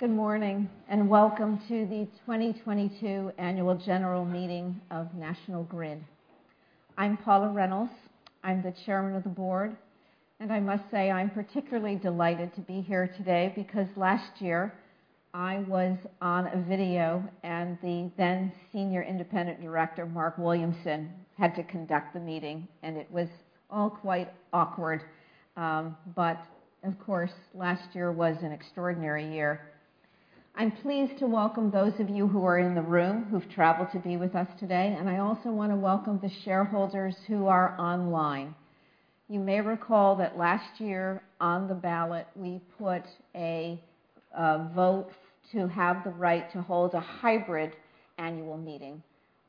Good morning, and welcome to the 2022 annual general meeting of National Grid. I'm Paula Reynolds. I'm the chairman of the board, and I must say I'm particularly delighted to be here today because last year I was on a video and the then senior independent director, Mark Williamson, had to conduct the meeting, and it was all quite awkward. Of course, last year was an extraordinary year. I'm pleased to welcome those of you who are in the room who've traveled to be with us today, and I also wanna welcome the shareholders who are online. You may recall that last year on the ballot we put a vote to have the right to hold a hybrid annual meeting,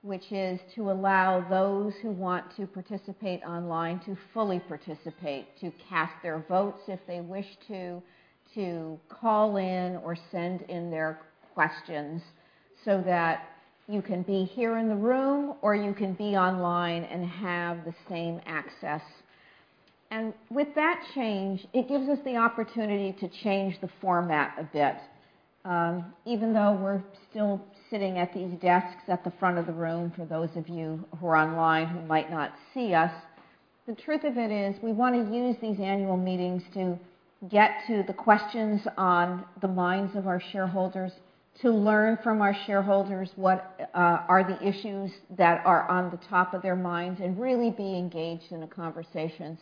which is to allow those who want to participate online to fully participate, to cast their votes if they wish to call in or send in their questions so that you can be here in the room or you can be online and have the same access. With that change, it gives us the opportunity to change the format a bit. Even though we're still sitting at these desks at the front of the room for those of you who are online who might not see us, the truth of it is we wanna use these annual meetings to get to the questions on the minds of our shareholders, to learn from our shareholders what are the issues that are on the top of their minds and really be engaged in a conversation.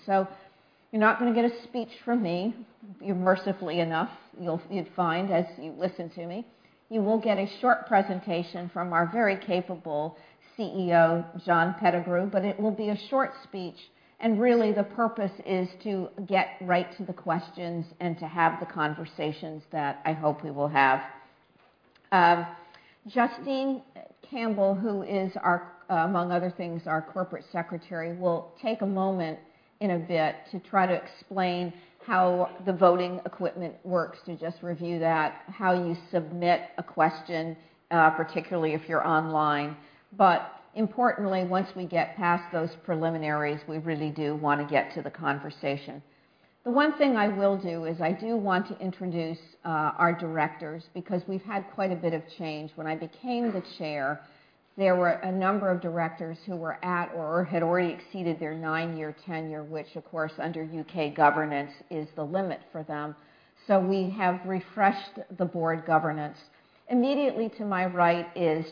You're not gonna get a speech from me, interestingly enough, you'll find as you listen to me. You will get a short presentation from our very capable CEO, John Pettigrew, but it will be a short speech, and really the purpose is to get right to the questions and to have the conversations that I hope we will have. Justine Campbell, who is our, among other things, our corporate secretary, will take a moment in a bit to try to explain how the voting equipment works, to just review that, how you submit a question, particularly if you're online. Importantly, once we get past those preliminaries, we really do wanna get to the conversation. The one thing I will do is I do want to introduce our directors because we've had quite a bit of change. When I became the chair, there were a number of directors who were at or had already exceeded their nine-year tenure, which of course under U.K. governance is the limit for them. We have refreshed the board governance. Immediately to my right is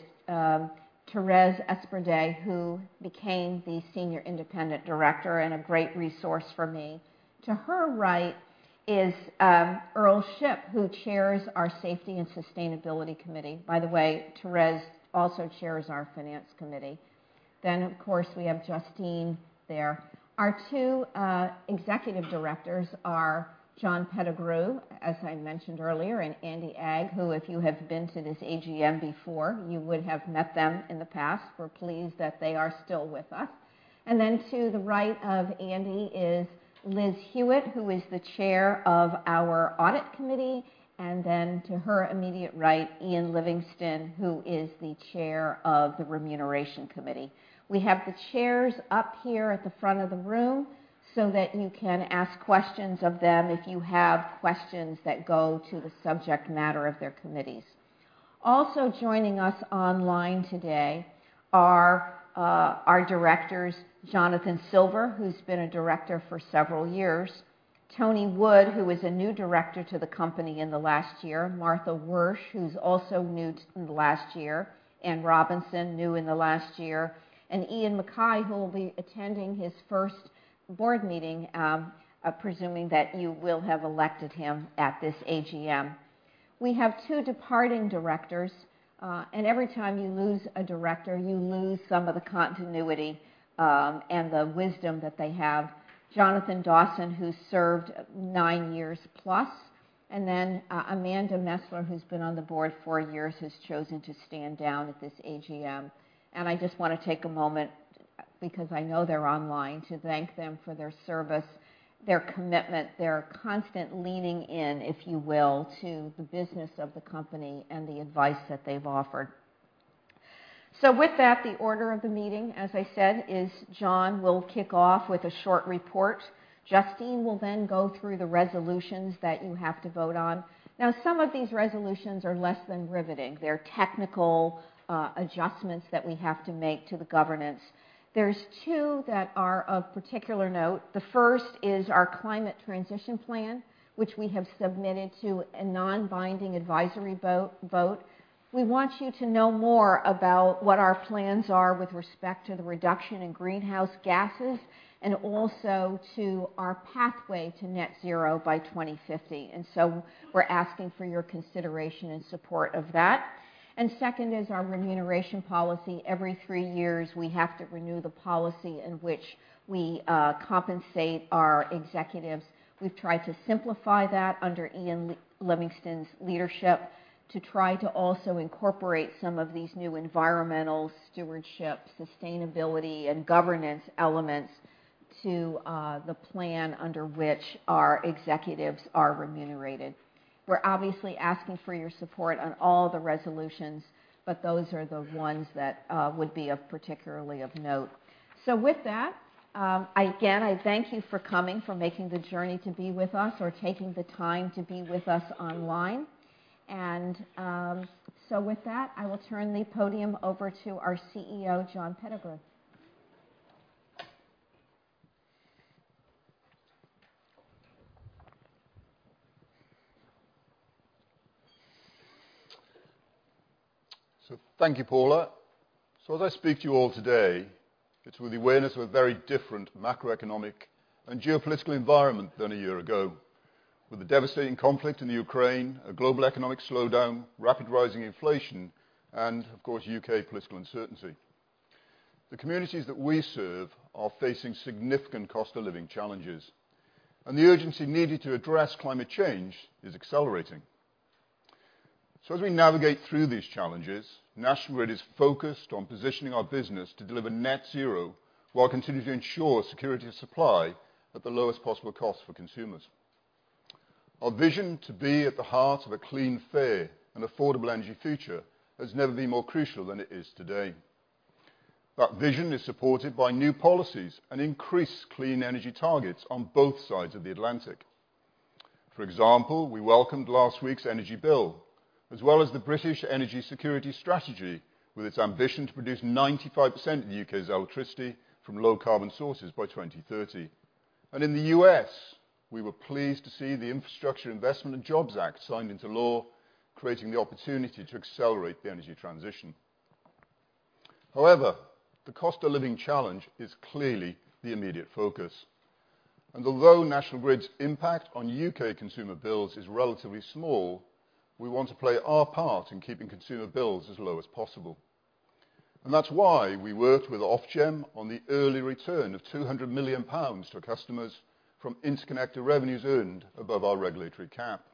Thérèse Esperdy, who became the senior independent director and a great resource for me. To her right is Earl Shipp, who chairs our Safety and Sustainability Committee. By the way, Thérèse also chairs our Finance Committee. Then, of course, we have Justine there. Our two executive directors are John Pettigrew, as I mentioned earlier, and Andy Agg, who if you have been to this AGM before, you would have met them in the past. We're pleased that they are still with us. To the right of Andy is Liz Hewitt, who is the chair of our Audit Committee. To her immediate right, Ian Livingston, who is the chair of the Remuneration Committee. We have the chairs up here at the front of the room so that you can ask questions of them if you have questions that go to the subject matter of their committees. Also joining us online today are our directors, Jonathan Silver, who's been a director for several years, Tony Wood, who is a new director to the company in the last year, Martha Wyrsch, who's also new to the last year, Anne Robinson, new in the last year, and Iain Mackay, who will be attending his first board meeting, presuming that you will have elected him at this AGM. We have two departing directors, and every time you lose a director, you lose some of the continuity, and the wisdom that they have. Jonathan Dawson, who served nine years plus, and then, Amanda Mesler, who's been on the board four years, has chosen to stand down at this AGM. I just wanna take a moment, because I know they're online, to thank them for their service, their commitment, their constant leaning in, if you will, to the business of the company and the advice that they've offered. With that, the order of the meeting, as I said, is John will kick off with a short report. Justine will then go through the resolutions that you have to vote on. Now, some of these resolutions are less than riveting. They're technical adjustments that we have to make to the governance. There's two that are of particular note. The first is our climate transition plan, which we have submitted to a non-binding advisory vote. We want you to know more about what our plans are with respect to the reduction in greenhouse gases and also to our pathway to net zero by 2050, and so we're asking for your consideration and support of that. Second is our remuneration policy. Every three years, we have to renew the policy in which we compensate our executives. We've tried to simplify that under Ian Livingston's leadership to try to also incorporate some of these new environmental stewardship, sustainability, and governance elements to the plan under which our executives are remunerated. We're obviously asking for your support on all the resolutions, but those are the ones that would be of particular note. With that, again, I thank you for coming, for making the journey to be with us or taking the time to be with us online. With that, I will turn the podium over to our CEO, John Pettigrew. Thank you, Paula. As I speak to you all today, it's with the awareness of a very different macroeconomic and geopolitical environment than a year ago. With the devastating conflict in the Ukraine, a global economic slowdown, rapid rising inflation, and of course, U.K. political uncertainty. The communities that we serve are facing significant cost of living challenges, and the urgency needed to address climate change is accelerating. As we navigate through these challenges, National Grid is focused on positioning our business to deliver net zero while continuing to ensure security of supply at the lowest possible cost for consumers. Our vision to be at the heart of a clean, fair, and affordable energy future has never been more crucial than it is today. That vision is supported by new policies and increased clean energy targets on both sides of the Atlantic. For example, we welcomed last week's Energy Bill, as well as the British Energy Security Strategy, with its ambition to produce 95% of the UK's electricity from low-carbon sources by 2030. In the US, we were pleased to see the Infrastructure Investment and Jobs Act signed into law, creating the opportunity to accelerate the energy transition. However, the cost of living challenge is clearly the immediate focus. Although National Grid's impact on UK consumer bills is relatively small, we want to play our part in keeping consumer bills as low as possible. That's why we worked with Ofgem on the early return of 200 million pounds to our customers from interconnector revenues earned above our regulatory cap.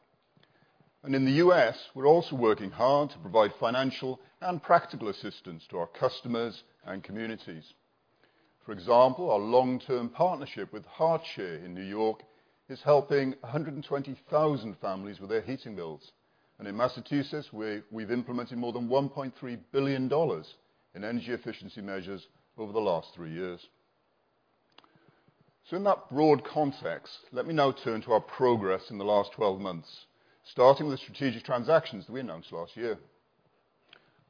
In the US, we're also working hard to provide financial and practical assistance to our customers and communities. For example, our long-term partnership with HeartShare in New York is helping 120,000 families with their heating bills. In Massachusetts, we've implemented more than $1.3 billion in energy efficiency measures over the last three years. In that broad context, let me now turn to our progress in the last 12 months, starting with the strategic transactions that we announced last year.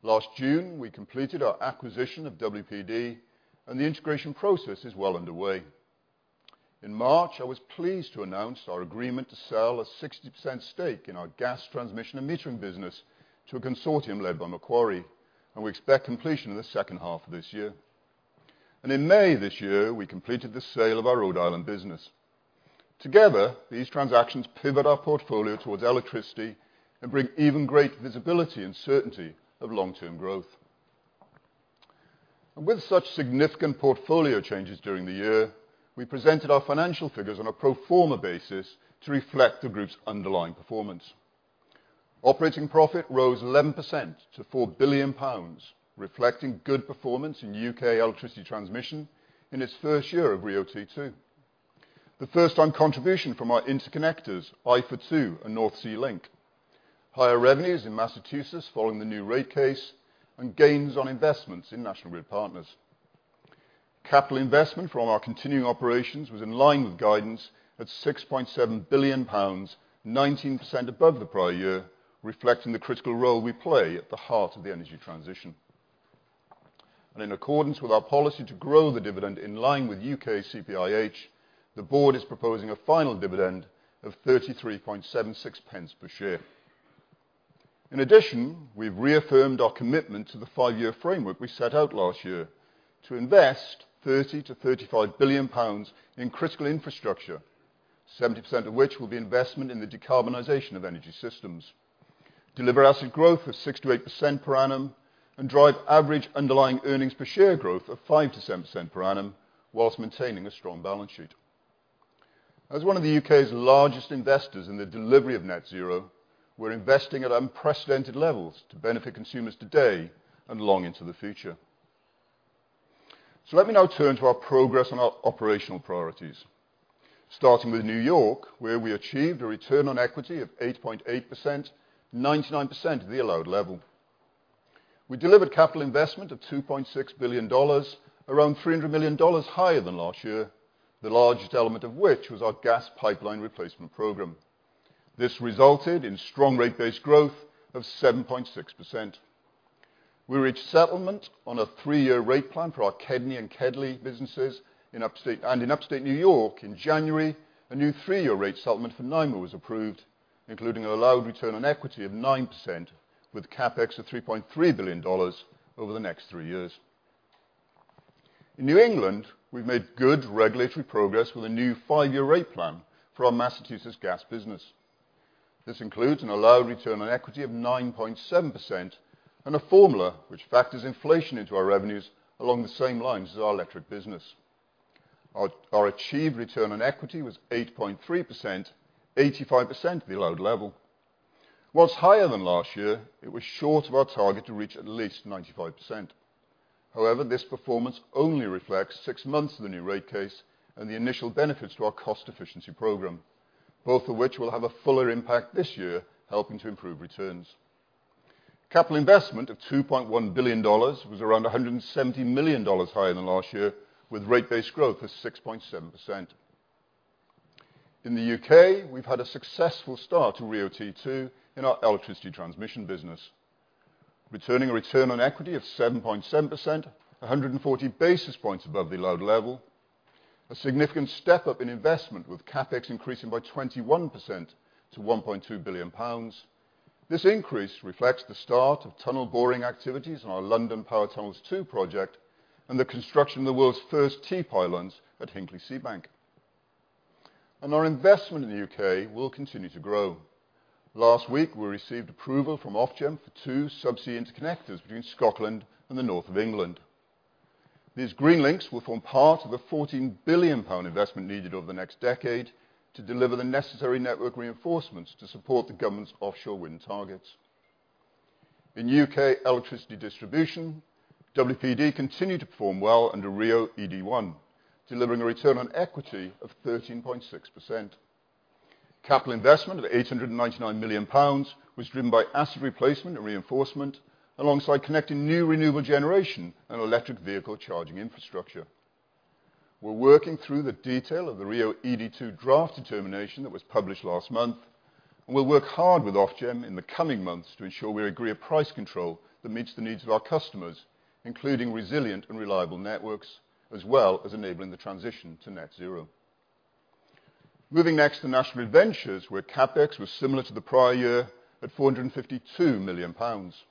Last June, we completed our acquisition of WPD, and the integration process is well underway. In March, I was pleased to announce our agreement to sell a 60% stake in our gas transmission and metering business to a consortium led by Macquarie, and we expect completion in the H1 of this year. In May this year, we completed the sale of our Rhode Island business. Together, these transactions pivot our portfolio towards electricity and bring even greater visibility and certainty of long-term growth. With such significant portfolio changes during the year, we presented our financial figures on a pro forma basis to reflect the group's underlying performance. Operating profit rose 11% to 4 billion pounds, reflecting good performance in U.K. electricity transmission in its first year of RIIO-T2, the first full contribution from our interconnectors, IFA2 and North Sea Link, higher revenues in Massachusetts following the new rate case, and gains on investments in National Grid Partners. Capital investment from our continuing operations was in line with guidance at 6.7 billion pounds, 19% above the prior year, reflecting the critical role we play at the heart of the energy transition. In accordance with our policy to grow the dividend in line with U.K. CPIH, the board is proposing a final dividend of 33.76 pence per share. In addition, we've reaffirmed our commitment to the five-year framework we set out last year to invest 30 billion-35 billion pounds in critical infrastructure, 70% of which will be investment in the decarbonization of energy systems. Deliver asset growth of 6%-8% per annum, and drive average underlying earnings per share growth of 5%-7% per annum, while maintaining a strong balance sheet. As one of the U.K.'s largest investors in the delivery of net zero, we're investing at unprecedented levels to benefit consumers today and long into the future. Let me now turn to our progress on our operational priorities. Starting with New York, where we achieved a return on equity of 8.8%, 99% of the allowed level. We delivered capital investment of $2.6 billion, around $300 million higher than last year, the largest element of which was our gas pipeline replacement program. This resulted in strong rate-based growth of 7.6%. We reached settlement on a three-year rate plan for our KEDNY and KEDLI businesses in Upstate New York in January. A new three-year rate settlement for NYPA was approved, including an allowed return on equity of 9%, with CapEx of $3.3 billion over the next three years. In New England, we've made good regulatory progress with a new five-year rate plan for our Massachusetts gas business. This includes an allowed return on equity of 9.7% and a formula which factors inflation into our revenues along the same lines as our electric business. Our achieved return on equity was 8.3%, 85% of the allowed level. While higher than last year, it was short of our target to reach at least 95%. However, this performance only reflects six months of the new rate case and the initial benefits to our cost efficiency program, both of which will have a fuller impact this year, helping to improve returns. Capital investment of $2.1 billion was around $170 million higher than last year, with rate-based growth of 6.7%. In the UK, we've had a successful start to RIIO-T2 in our electricity transmission business. Returning a return on equity of 7.7%, 140 basis points above the allowed level. A significant step up in investment with CapEx increasing by 21% to 1.2 billion pounds. This increase reflects the start of tunnel boring activities on our London Power Tunnels two project and the construction of the world's first T-pylons at Hinkley Connection. Our investment in the UK will continue to grow. Last week, we received approval from Ofgem for two subsea interconnectors between Scotland and the north of England. These green links will form part of the 14 billion pound investment needed over the next decade to deliver the necessary network reinforcements to support the government's offshore wind targets. In UK electricity distribution, WPD continued to perform well under RIIO-ED1, delivering a return on equity of 13.6%. Capital investment of 899 million pounds was driven by asset replacement and reinforcement, alongside connecting new renewable generation and electric vehicle charging infrastructure. We're working through the detail of the RIIO-ED2 draft determination that was published last month. We'll work hard with Ofgem in the coming months to ensure we agree a price control that meets the needs of our customers, including resilient and reliable networks, as well as enabling the transition to net zero. Moving next to National Ventures, where CapEx was similar to the prior year at 452 million pounds.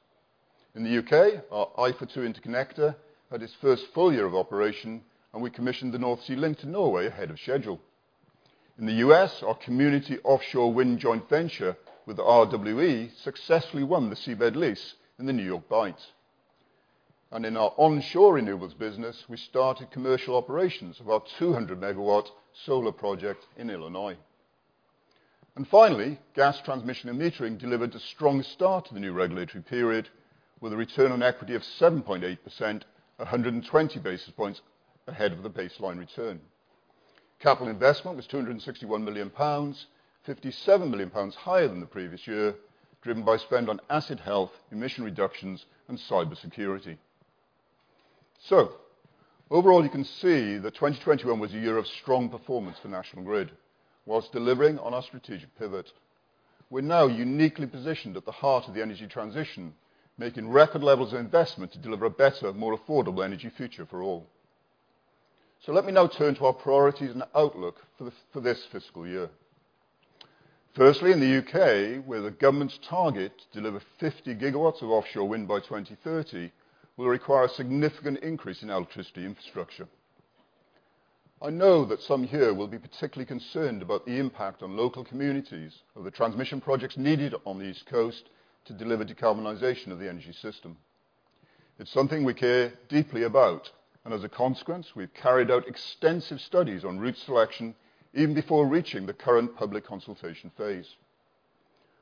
In the UK, our IFA 2 interconnector had its first full year of operation, and we commissioned the North Sea Link to Norway ahead of schedule. In the US, our community offshore wind joint venture with RWE successfully won the seabed lease in the New York Bight. In our onshore renewables business, we started commercial operations of our 200-megawatt solar project in Illinois. Finally, gas transmission and metering delivered a strong start to the new regulatory period with a return on equity of 7.8%, 120 basis points ahead of the baseline return. Capital investment was 261 million pounds, 57 million pounds higher than the previous year, driven by spend on asset health, emission reductions, and cybersecurity. Overall, you can see that 2021 was a year of strong performance for National Grid while delivering on our strategic pivot. We're now uniquely positioned at the heart of the energy transition, making record levels of investment to deliver a better, more affordable energy future for all. Let me now turn to our priorities and outlook for this fiscal year. Firstly, in the UK, where the government's target to deliver 50 gigawatts of offshore wind by 2030 will require a significant increase in electricity infrastructure. I know that some here will be particularly concerned about the impact on local communities of the transmission projects needed on the East Coast to deliver decarbonization of the energy system. It's something we care deeply about, and as a consequence, we've carried out extensive studies on route selection even before reaching the current public consultation phase.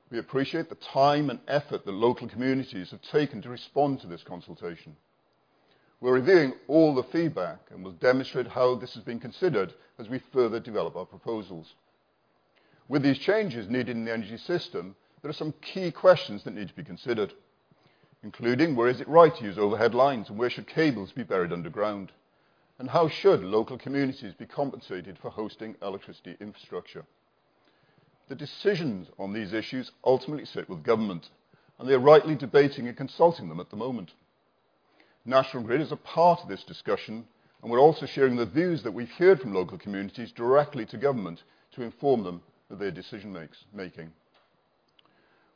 We appreciate the time and effort the local communities have taken to respond to this consultation. We're reviewing all the feedback and will demonstrate how this has been considered as we further develop our proposals. With these changes needed in the energy system, there are some key questions that need to be considered, including where is it right to use overhead lines and where should cables be buried underground? How should local communities be compensated for hosting electricity infrastructure? The decisions on these issues ultimately sit with government, and they are rightly debating and consulting them at the moment. National Grid is a part of this discussion, and we're also sharing the views that we've heard from local communities directly to government to inform them of their decision making.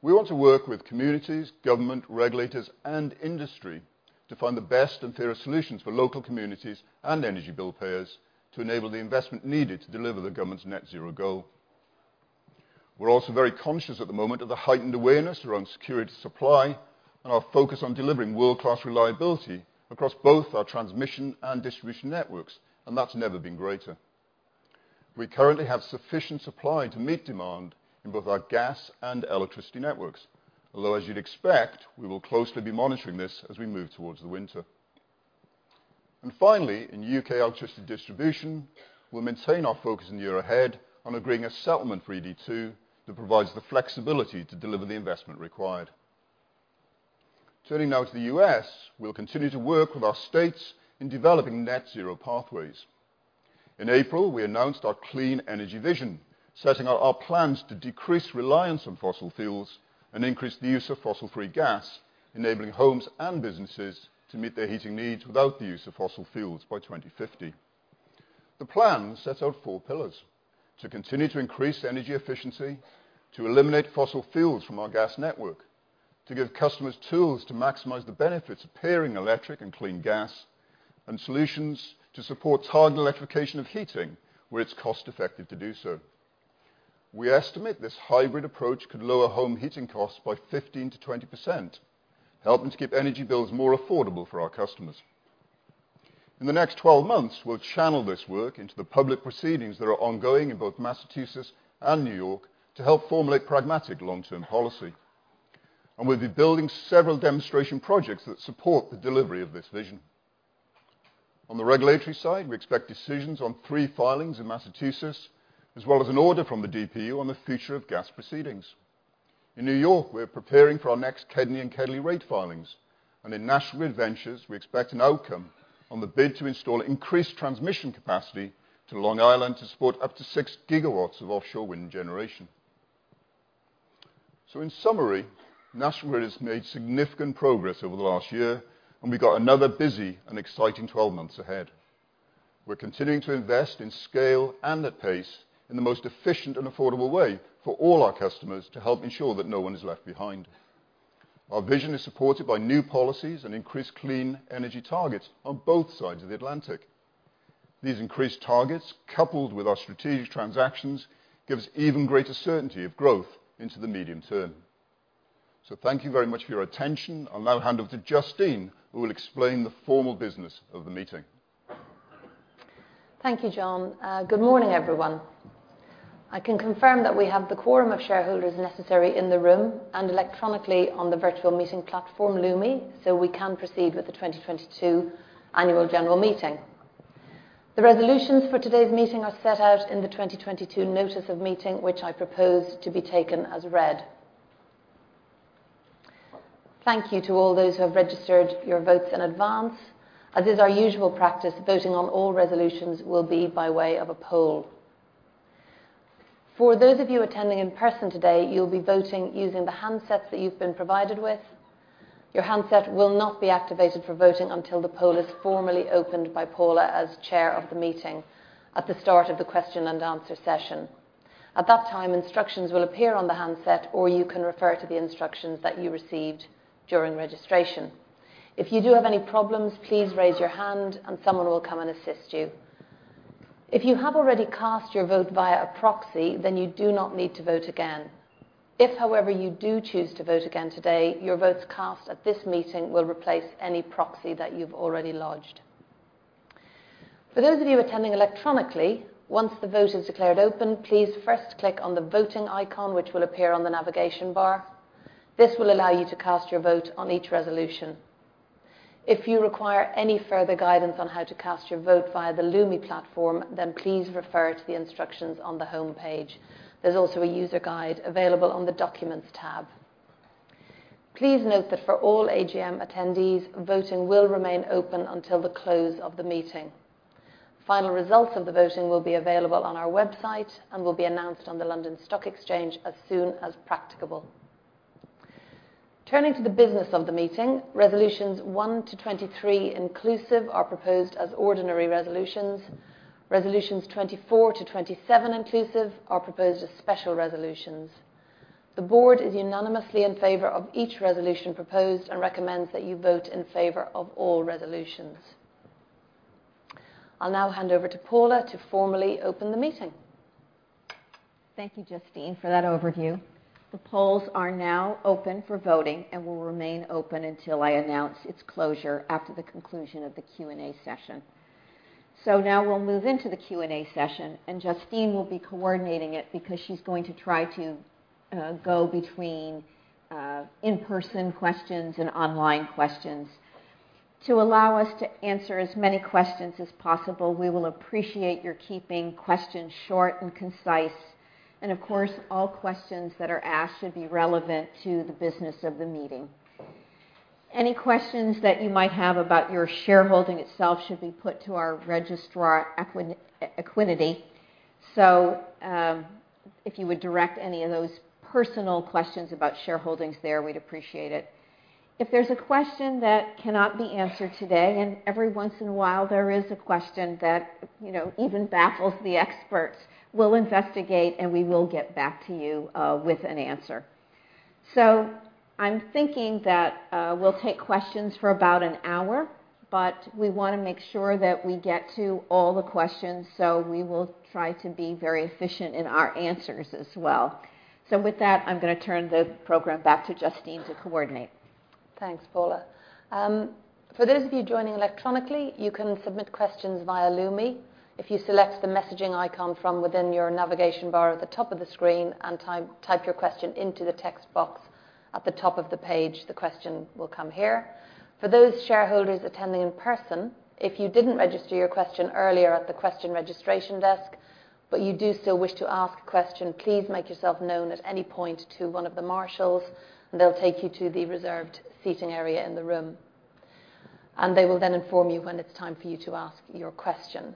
We want to work with communities, government, regulators, and industry to find the best and fairest solutions for local communities and energy bill payers to enable the investment needed to deliver the government's net zero goal. We're also very conscious at the moment of the heightened awareness around supply security and our focus on delivering world-class reliability across both our transmission and distribution networks, and that's never been greater. We currently have sufficient supply to meet demand in both our gas and electricity networks. Although, as you'd expect, we will closely be monitoring this as we move towards the winter. Finally, in U.K. electricity distribution, we'll maintain our focus in the year ahead on agreeing a settlement for ED2 that provides the flexibility to deliver the investment required. Turning now to the U.S., we'll continue to work with our states in developing net zero pathways. In April, we announced our Clean Energy Vision, setting out our plans to decrease reliance on fossil fuels and increase the use of fossil-free gas, enabling homes and businesses to meet their heating needs without the use of fossil fuels by 2050. The plan sets out four pillars, to continue to increase energy efficiency, to eliminate fossil fuels from our gas network, to give customers tools to maximize the benefits of pairing electric and clean gas, and solutions to support targeted electrification of heating where it's cost-effective to do so. We estimate this hybrid approach could lower home heating costs by 15%-20%, helping to keep energy bills more affordable for our customers. In the next 12 months, we'll channel this work into the public proceedings that are ongoing in both Massachusetts and New York to help formulate pragmatic long-term policy. We'll be building several demonstration projects that support the delivery of this vision. On the regulatory side, we expect decisions on three filings in Massachusetts, as well as an order from the DPU on the future of gas proceedings. In New York, we are preparing for our next KEDNY rate filings. In National Grid Ventures, we expect an outcome on the bid to install increased transmission capacity to Long Island to support up to six gigawatts of offshore wind generation. In summary, National Grid has made significant progress over the last year, and we got another busy and exciting 12 months ahead. We're continuing to invest in scale and at pace in the most efficient and affordable way for all our customers to help ensure that no one is left behind. Our vision is supported by new policies and increased clean energy targets on both sides of the Atlantic. These increased targets, coupled with our strategic transactions, give us even greater certainty of growth into the medium term. Thank you very much for your attention. I'll now hand over to Justine, who will explain the formal business of the meeting. Thank you, John. Good morning, everyone. I can confirm that we have the quorum of shareholders necessary in the room and electronically on the virtual meeting platform, Lumi, so we can proceed with the 2022 annual general meeting. The resolutions for today's meeting are set out in the 2022 notice of meeting, which I propose to be taken as read. Thank you to all those who have registered your votes in advance. As is our usual practice, voting on all resolutions will be by way of a poll. For those of you attending in person today, you'll be voting using the handsets that you've been provided with. Your handset will not be activated for voting until the poll is formally opened by Paula as chair of the meeting at the start of the question and answer session. At that time, instructions will appear on the handset, or you can refer to the instructions that you received during registration. If you do have any problems, please raise your hand and someone will come and assist you. If you have already cast your vote via a proxy, then you do not need to vote again. If, however, you do choose to vote again today, your votes cast at this meeting will replace any proxy that you've already lodged. For those of you attending electronically, once the vote is declared open, please first click on the Voting icon, which will appear on the navigation bar. This will allow you to cast your vote on each resolution. If you require any further guidance on how to cast your vote via the Lumi platform, then please refer to the instructions on the homepage. There's also a user guide available on the Documents tab. Please note that for all AGM attendees, voting will remain open until the close of the meeting. Final results of the voting will be available on our website and will be announced on the London Stock Exchange as soon as practicable. Turning to the business of the meeting, resolutions one to 23 inclusive are proposed as ordinary resolutions. Resolutions 24 to 27 inclusive are proposed as special resolutions. The board is unanimously in favor of each resolution proposed and recommends that you vote in favor of all resolutions. I'll now hand over to Paula to formally open the meeting. Thank you, Justine, for that overview. The polls are now open for voting and will remain open until I announce its closure after the conclusion of the Q&A session. Now we'll move into the Q&A session, and Justine will be coordinating it because she's going to try to go between in-person questions and online questions. To allow us to answer as many questions as possible, we will appreciate your keeping questions short and concise. Of course, all questions that are asked should be relevant to the business of the meeting. Any questions that you might have about your shareholding itself should be put to our registrar, Equiniti. If you would direct any of those personal questions about shareholdings there, we'd appreciate it. If there's a question that cannot be answered today, and every once in a while there is a question that, you know, even baffles the experts, we'll investigate, and we will get back to you with an answer. I'm thinking that we'll take questions for about an hour, but we wanna make sure that we get to all the questions, so we will try to be very efficient in our answers as well. With that, I'm gonna turn the program back to Justine to coordinate. Thanks, Paula. For those of you joining electronically, you can submit questions via Lumi. If you select the messaging icon from within your navigation bar at the top of the screen and type your question into the text box at the top of the page, the question will come here. For those shareholders attending in person, if you didn't register your question earlier at the question registration desk, but you do still wish to ask a question, please make yourself known at any point to one of the marshals, and they'll take you to the reserved seating area in the room. They will then inform you when it's time for you to ask your question.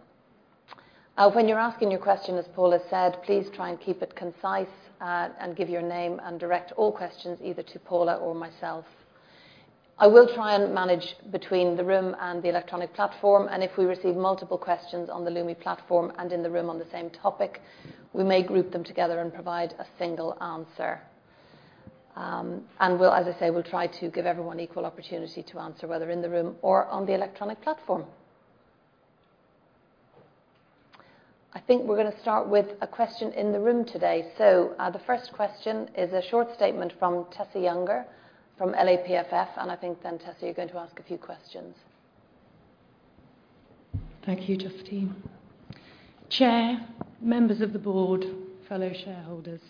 When you're asking your question, as Paula said, please try and keep it concise, and give your name and direct all questions either to Paula or myself. I will try and manage between the room and the electronic platform, and if we receive multiple questions on the Lumi platform and in the room on the same topic, we may group them together and provide a single answer. We'll, as I say, we'll try to give everyone equal opportunity to answer, whether in the room or on the electronic platform. I think we're gonna start with a question in the room today. The first question is a short statement from Tessa Younger from LAPFF, and I think then, Tessa, you're going to ask a few questions. Thank you, Justine. Chair, members of the board, fellow shareholders.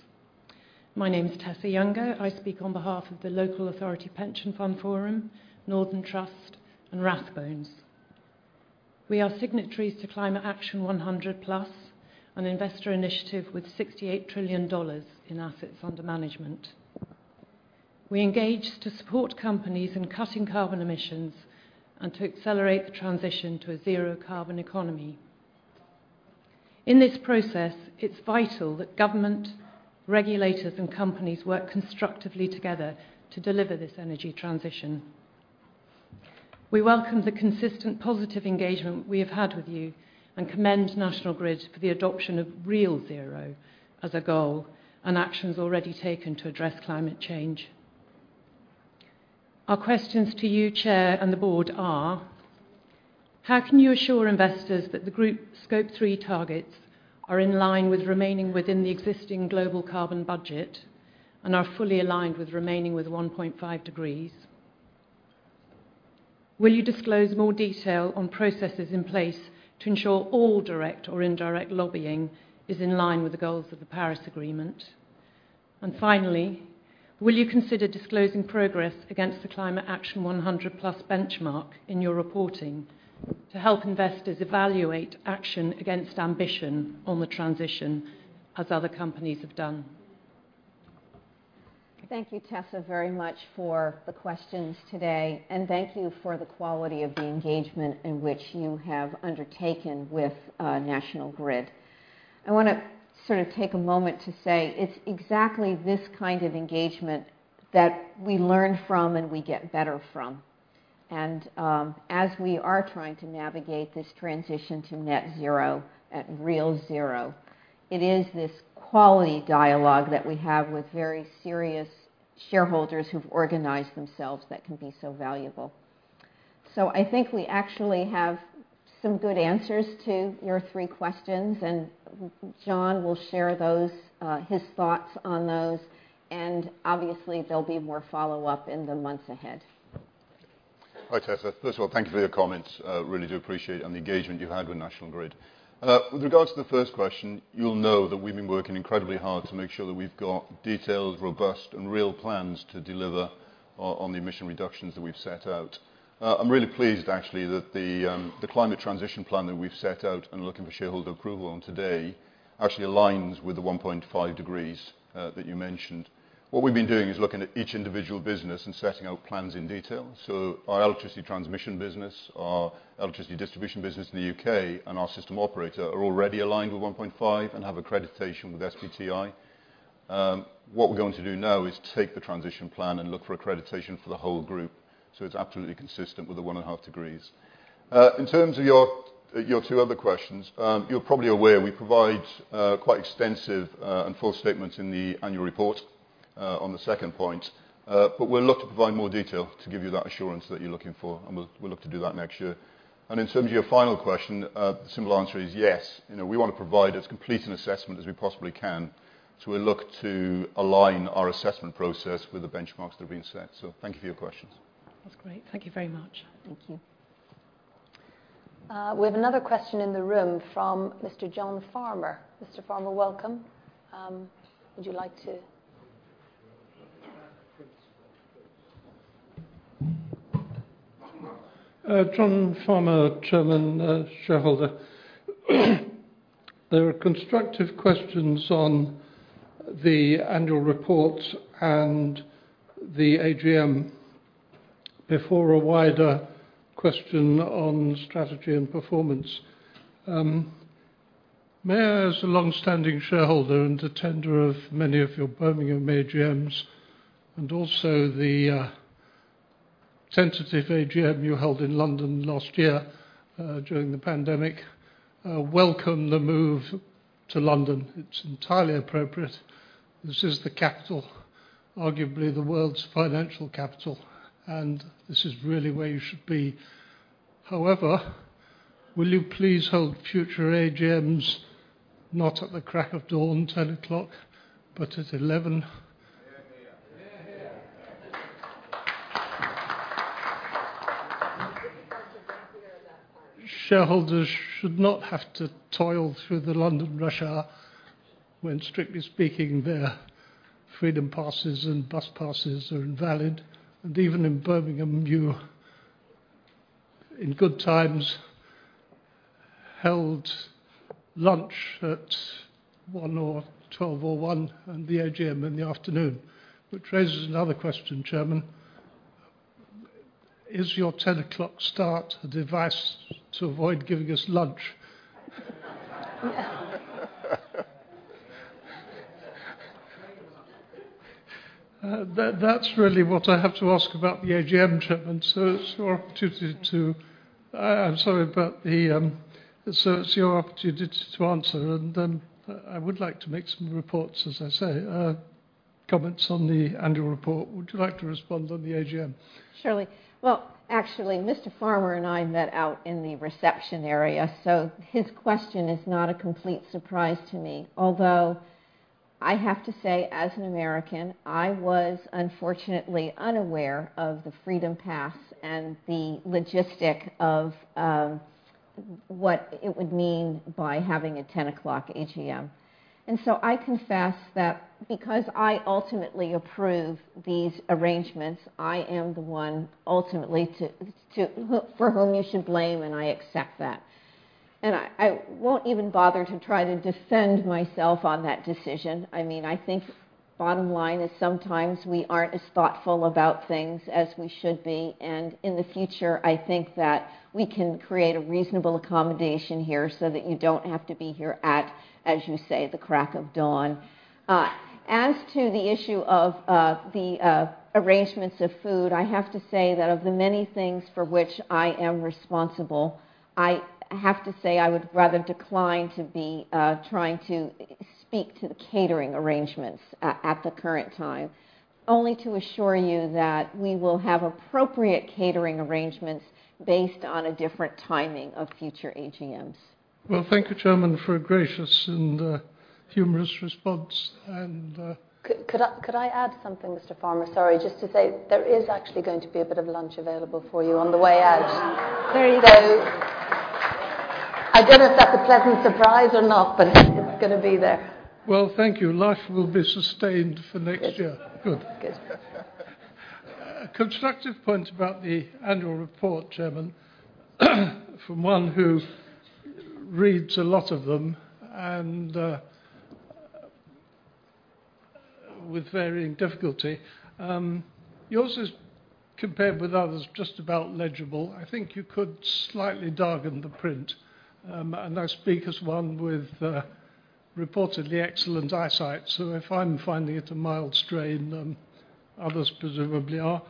My name is Tessa Younger. I speak on behalf of the Local Authority Pension Fund Forum, Northern Trust, and Rathbones. We are signatories to Climate Action 100+, an investor initiative with $68 trillion in assets under management. We engage to support companies in cutting carbon emissions and to accelerate the transition to a zero-carbon economy. In this process, it's vital that government, regulators, and companies work constructively together to deliver this energy transition. We welcome the consistent positive engagement we have had with you and commend National Grid for the adoption of real zero as a goal and actions already taken to address climate change. Our questions to you, Chair and the board are. How can you assure investors that the group Scope 3 targets are in line with remaining within the existing global carbon budget and are fully aligned with remaining with 1.5 degrees? Will you disclose more detail on processes in place to ensure all direct or indirect lobbying is in line with the goals of the Paris Agreement? Finally, will you consider disclosing progress against the Climate Action 100+ benchmark in your reporting to help investors evaluate action against ambition on the transition as other companies have done? Thank you, Tessa, very much for the questions today, and thank you for the quality of the engagement in which you have undertaken with National Grid. I wanna sort of take a moment to say it's exactly this kind of engagement that we learn from and we get better from. As we are trying to navigate this transition to net zero at real zero, it is this quality dialogue that we have with very serious shareholders who've organized themselves that can be so valuable. I think we actually have some good answers to your three questions, and John will share those, his thoughts on those. Obviously there'll be more follow-up in the months ahead. Hi, Tessa. First of all, thank you for your comments. Really do appreciate, and the engagement you've had with National Grid. With regards to the first question, you'll know that we've been working incredibly hard to make sure that we've got detailed, robust, and real plans to deliver on the emission reductions that we've set out. I'm really pleased actually that the climate transition plan that we've set out and looking for shareholder approval on today actually aligns with the 1.5 degrees that you mentioned. What we've been doing is looking at each individual business and setting out plans in detail. Our electricity transmission business, our electricity distribution business in the UK, and our system operator are already aligned with 1.5 and have accreditation with SBTI. What we're going to do now is take the transition plan and look for accreditation for the whole group, so it's absolutely consistent with the 1.5 degrees. In terms of your two other questions, you're probably aware we provide quite extensive and full statements in the annual report on the second point. But we'll look to provide more detail to give you that assurance that you're looking for, and we'll look to do that next year. In terms of your final question, the simple answer is yes. You know, we wanna provide as complete an assessment as we possibly can, so we'll look to align our assessment process with the benchmarks that are being set. Thank you for your questions. That's great. Thank you very much. Thank you. We have another question in the room from Mr. John Farmer. Mr. Farmer, welcome. Would you like to? Mr. John Farmer, shareholder. There are constructive questions on the annual reports and the AGM before a wider question on strategy and performance. May I, as a longstanding shareholder and attender of many of your Birmingham AGMs and also the sensitive AGM you held in London last year, during the pandemic, welcome the move to London. It's entirely appropriate. This is the capital, arguably the world's financial capital, and this is really where you should be. However, will you please hold future AGMs not at the crack of dawn, 10:00 A.M., but at 11:00 A.M.? Shareholders should not have to toil through the London rush hour when, strictly speaking, their Freedom Passes and bus passes are invalid. Even in Birmingham, you, in good times, held lunch at 1:00 or 12:00 or 1:00, and the AGM in the afternoon. Which raises another question, Chairman. Is your 10:00 A.M. start a device to avoid giving us lunch? That's really what I have to ask about the AGM, Chairman, so it's your opportunity to. I'm sorry, but so it's your opportunity to answer, and I would like to make some remarks, as I say, comments on the annual report. Would you like to respond on the AGM? Surely. Well, actually, Mr. Farmer and I met out in the reception area, so his question is not a complete surprise to me. Although I have to say, as an American, I was unfortunately unaware of the Freedom Pass and the logistics of what it would mean by having a 10:00 A.M. AGM. I confess that because I ultimately approve these arrangements, I am the one ultimately to blame, for whom you should blame, and I accept that. I won't even bother to try to defend myself on that decision. I mean, I think bottom line is sometimes we aren't as thoughtful about things as we should be. In the future, I think that we can create a reasonable accommodation here so that you don't have to be here at, as you say, the crack of dawn. As to the issue of the arrangements of food, I have to say that of the many things for which I am responsible, I have to say, I would rather decline to be trying to speak to the catering arrangements at the current time. Only to assure you that we will have appropriate catering arrangements based on a different timing of future AGMs. Well, thank you, Chairman, for a gracious and humorous response and Could I add something, Mr. Farmer? Sorry. Just to say there is actually going to be a bit of lunch available for you on the way out. There you go. I don't know if that's a pleasant surprise or not, but it's gonna be there. Well, thank you. Life will be sustained for next year. Good. Good. Good. A constructive point about the annual report, Chairman, from one who reads a lot of them and with varying difficulty, yours is, compared with others, just about legible. I think you could slightly darken the print. I speak as one with reportedly excellent eyesight, so if I'm finding it a mild strain, then others presumably are.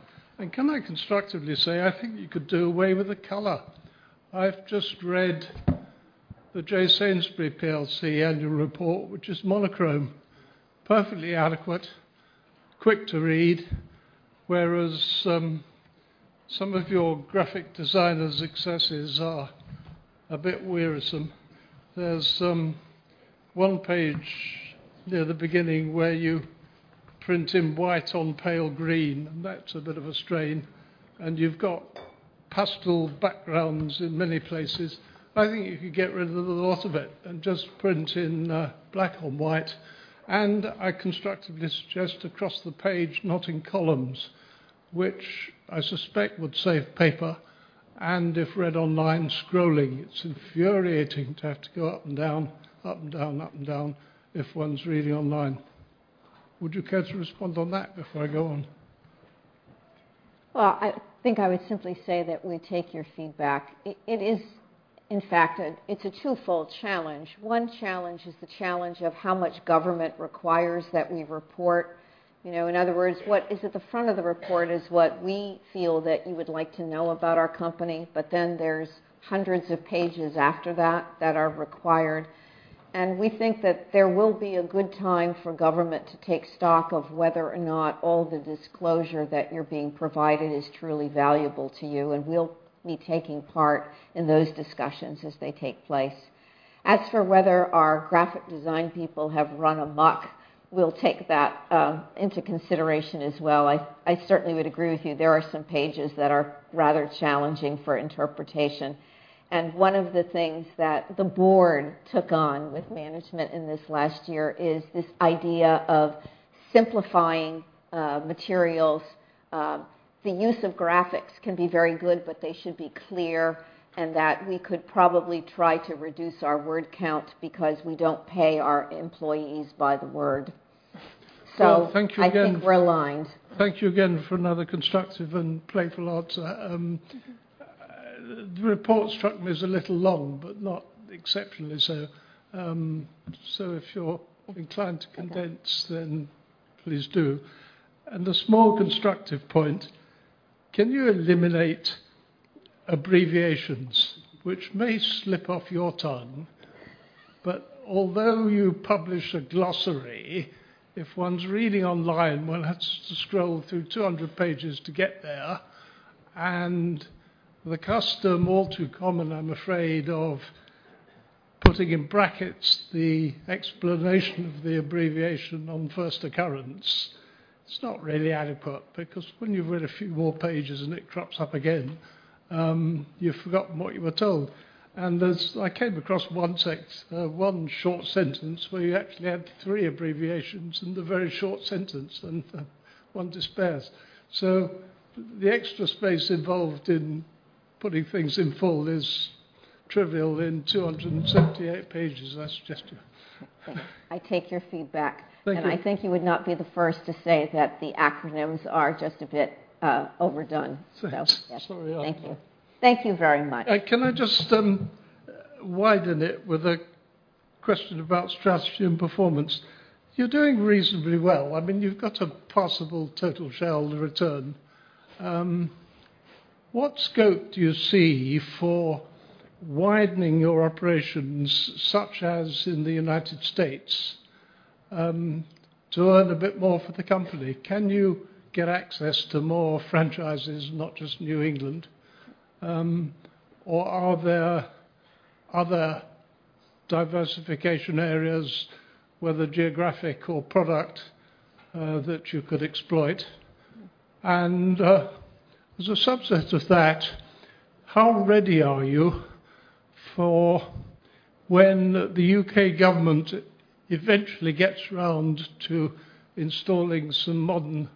Can I constructively say, I think you could do away with the color. I've just read the J Sainsbury plc annual report, which is monochrome, perfectly adequate, quick to read, whereas some of your graphic designer's excesses are a bit wearisome. There's one page near the beginning where you print in white on pale green, and that's a bit of a strain. You've got pastel backgrounds in many places. I think you could get rid of the lot of it and just print in black on white. I constructively suggest across the page, not in columns, which I suspect would save paper and if read online, scrolling. It's infuriating to have to go up and down, up and down, up and down if one's reading online. Would you care to respond on that before I go on? Well, I think I would simply say that we take your feedback. It is. In fact, it's a twofold challenge. One challenge is the challenge of how much government requires that we report. You know, in other words, what is at the front of the report is what we feel that you would like to know about our company, but then there's hundreds of pages after that that are required. We think that there will be a good time for government to take stock of whether or not all the disclosure that you're being provided is truly valuable to you, and we'll be taking part in those discussions as they take place. As for whether our graphic design people have run amok, we'll take that into consideration as well. I certainly would agree with you. There are some pages that are rather challenging for interpretation, and one of the things that the board took on with management in this last year is this idea of simplifying materials. The use of graphics can be very good, but they should be clear and that we could probably try to reduce our word count because we don't pay our employees by the word. Well, thank you again. I think we're aligned. Thank you again for another constructive and playful answer. The report struck me as a little long, but not exceptionally so. If you're inclined to condense- Okay... then please do. A small constructive point, can you eliminate abbreviations which may slip off your tongue, but although you publish a glossary, if one's reading online, one has to scroll through 200 pages to get there. The custom, all too common, I'm afraid, of putting in brackets the explanation of the abbreviation on first occurrence, it's not really adequate. Because when you've read a few more pages and it crops up again, you've forgotten what you were told. There's I came across one short sentence where you actually had three abbreviations in the very short sentence, and one despairs. The extra space involved in putting things in full is trivial in 278 pages, I suggest to you. I take your feedback. Thank you. I think you would not be the first to say that the acronyms are just a bit overdone. Sorry. Thank you. Thank you very much. Can I just widen it with a question about strategy and performance? You're doing reasonably well. I mean, you've got a positive total shareholder return. What scope do you see for widening your operations, such as in the United States, to earn a bit more for the company? Can you get access to more franchises, not just New England, or are there other diversification areas, whether geographic or product, that you could exploit. As a subset of that, how ready are you for when the UK government eventually gets around to installing some modern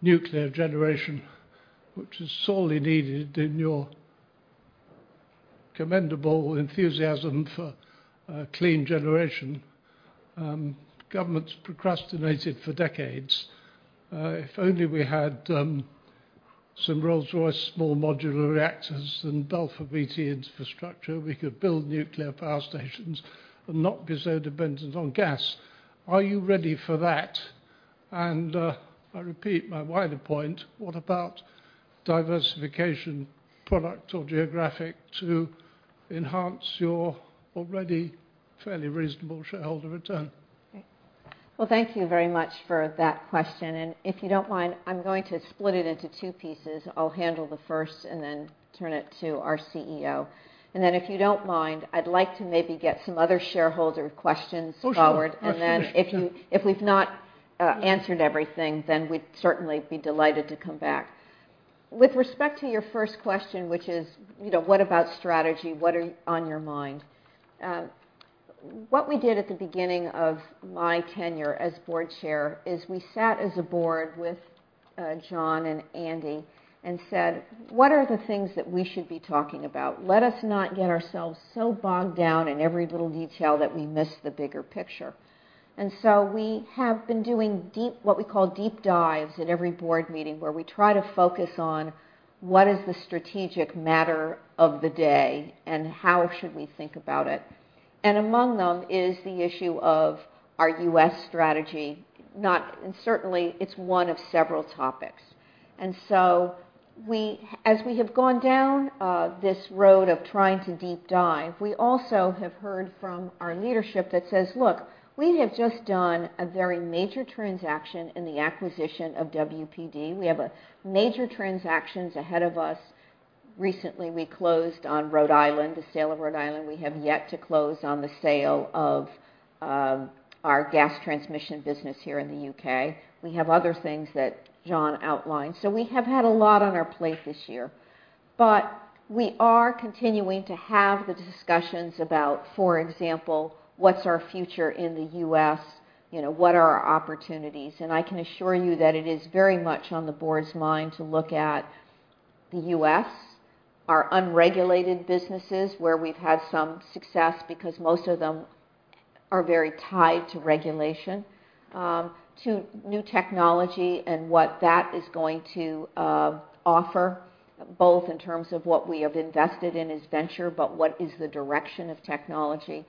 nuclear generation, which is sorely needed in your commendable enthusiasm for clean generation? Government's procrastinated for decades. If only we had some Rolls-Royce small modular reactors and Alpha BT infrastructure, we could build nuclear power stations and not be so dependent on gas. Are you ready for that? I repeat my wider point, what about diversification product or geographic to enhance your already fairly reasonable shareholder return? Well, thank you very much for that question. If you don't mind, I'm going to split it into two pieces. I'll handle the first and then turn it to our CEO. Then if you don't mind, I'd like to maybe get some other shareholder questions forward. Oh, sure. Absolutely. If we've not answered everything, then we'd certainly be delighted to come back. With respect to your first question, which is, you know, what about strategy? What's on your mind? What we did at the beginning of my tenure as board chair is we sat as a board with John and Andy and said, "What are the things that we should be talking about? Let us not get ourselves so bogged down in every little detail that we miss the bigger picture." We have been doing what we call deep dives at every board meeting where we try to focus on what is the strategic matter of the day, and how should we think about it. Among them is the issue of our U.S. strategy. Certainly, it's one of several topics. As we have gone down this road of trying to deep dive, we also have heard from our leadership that says, "Look, we have just done a very major transaction in the acquisition of WPD. We have major transactions ahead of us." Recently, we closed on Rhode Island, the sale of Rhode Island. We have yet to close on the sale of our gas transmission business here in the UK. We have other things that John outlined. We have had a lot on our plate this year. We are continuing to have the discussions about, for example, what's our future in the US? You know, what are our opportunities? I can assure you that it is very much on the board's mind to look at the U.S., our unregulated businesses where we've had some success because most of them are very tied to regulation, to new technology and what that is going to offer, both in terms of what we have invested in as venture, but what is the direction of technology.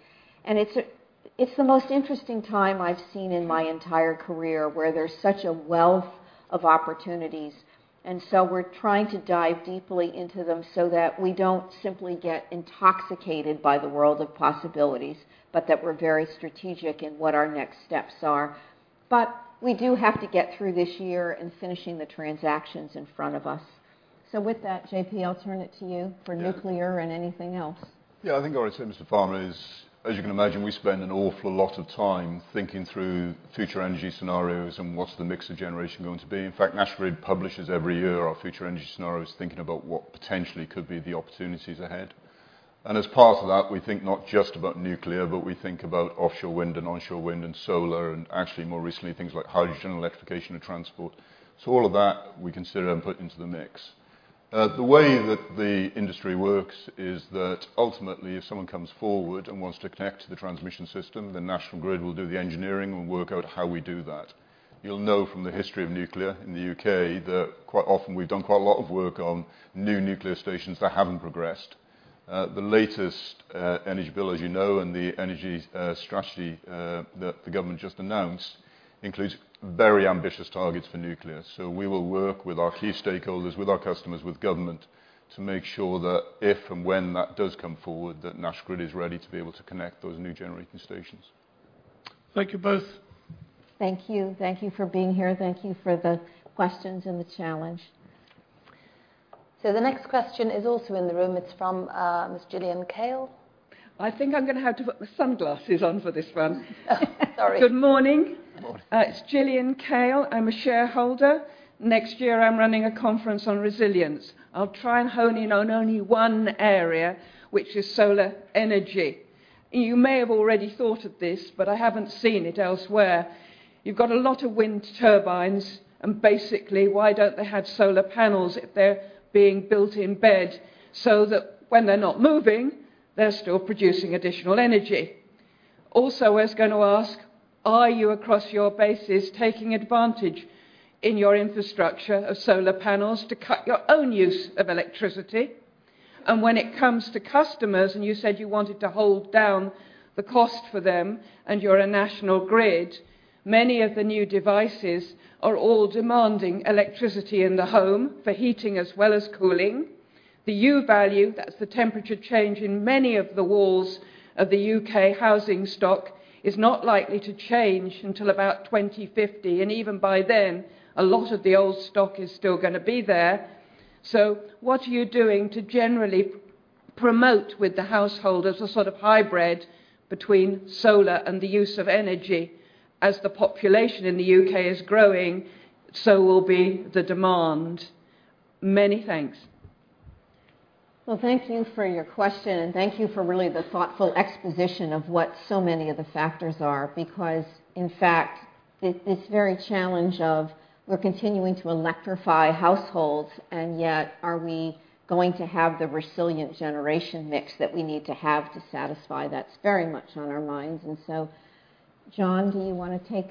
It's the most interesting time I've seen in my entire career where there's such a wealth of opportunities. We're trying to dive deeply into them so that we don't simply get intoxicated by the world of possibilities, but that we're very strategic in what our next steps are. We do have to get through this year in finishing the transactions in front of us. With that, JP, I'll turn it to you for nuclear and anything else. Yeah, I think what I said, Mr. Farmer, is, as you can imagine, we spend an awful lot of time thinking through future energy scenarios and what's the mix of generation going to be. In fact, National Grid publishes every year our future energy scenarios, thinking about what potentially could be the opportunities ahead. As part of that, we think not just about nuclear, but we think about offshore wind and onshore wind and solar and actually more recently, things like hydrogen, electrification of transport. All of that we consider and put into the mix. The way that the industry works is that ultimately, if someone comes forward and wants to connect to the transmission system, the National Grid will do the engineering and work out how we do that. You'll know from the history of nuclear in the U.K. that quite often we've done quite a lot of work on new nuclear stations that haven't progressed. The latest Energy Bill, as you know, and the Energy Strategy that the government just announced includes very ambitious targets for nuclear. We will work with our key stakeholders, with our customers, with government to make sure that if and when that does come forward, that National Grid is ready to be able to connect those new generating stations. Thank you both. Thank you. Thank you for being here. Thank you for the questions and the challenge. The next question is also in the room. It's from Ms. Gillian Kale. I think I'm gonna have to put my sunglasses on for this one. Sorry. Good morning. Good morning. It's Gillian Kale. I'm a shareholder. Next year, I'm running a conference on resilience. I'll try and hone in on only one area, which is solar energy. You may have already thought of this, but I haven't seen it elsewhere. You've got a lot of wind turbines, and basically, why don't they have solar panels if they're being built in bed so that when they're not moving, they're still producing additional energy? Also, I was gonna ask, are you across your bases taking advantage in your infrastructure of solar panels to cut your own use of electricity? When it comes to customers, and you said you wanted to hold down the cost for them, and you're a National Grid, many of the new devices are all demanding electricity in the home for heating as well as cooling. The U-value, that's the temperature change in many of the walls of the UK housing stock, is not likely to change until about 2050, and even by then, a lot of the old stock is still gonna be there. What are you doing to generally promote with the householders a sort of hybrid between solar and the use of energy? As the population in the UK is growing, so will be the demand. Many thanks. Well, thank you for your question, and thank you for really the thoughtful exposition of what so many of the factors are, because in fact, this very challenge of we're continuing to electrify households, and yet are we going to have the resilient generation mix that we need to have to satisfy? That's very much on our minds. John, do you wanna take?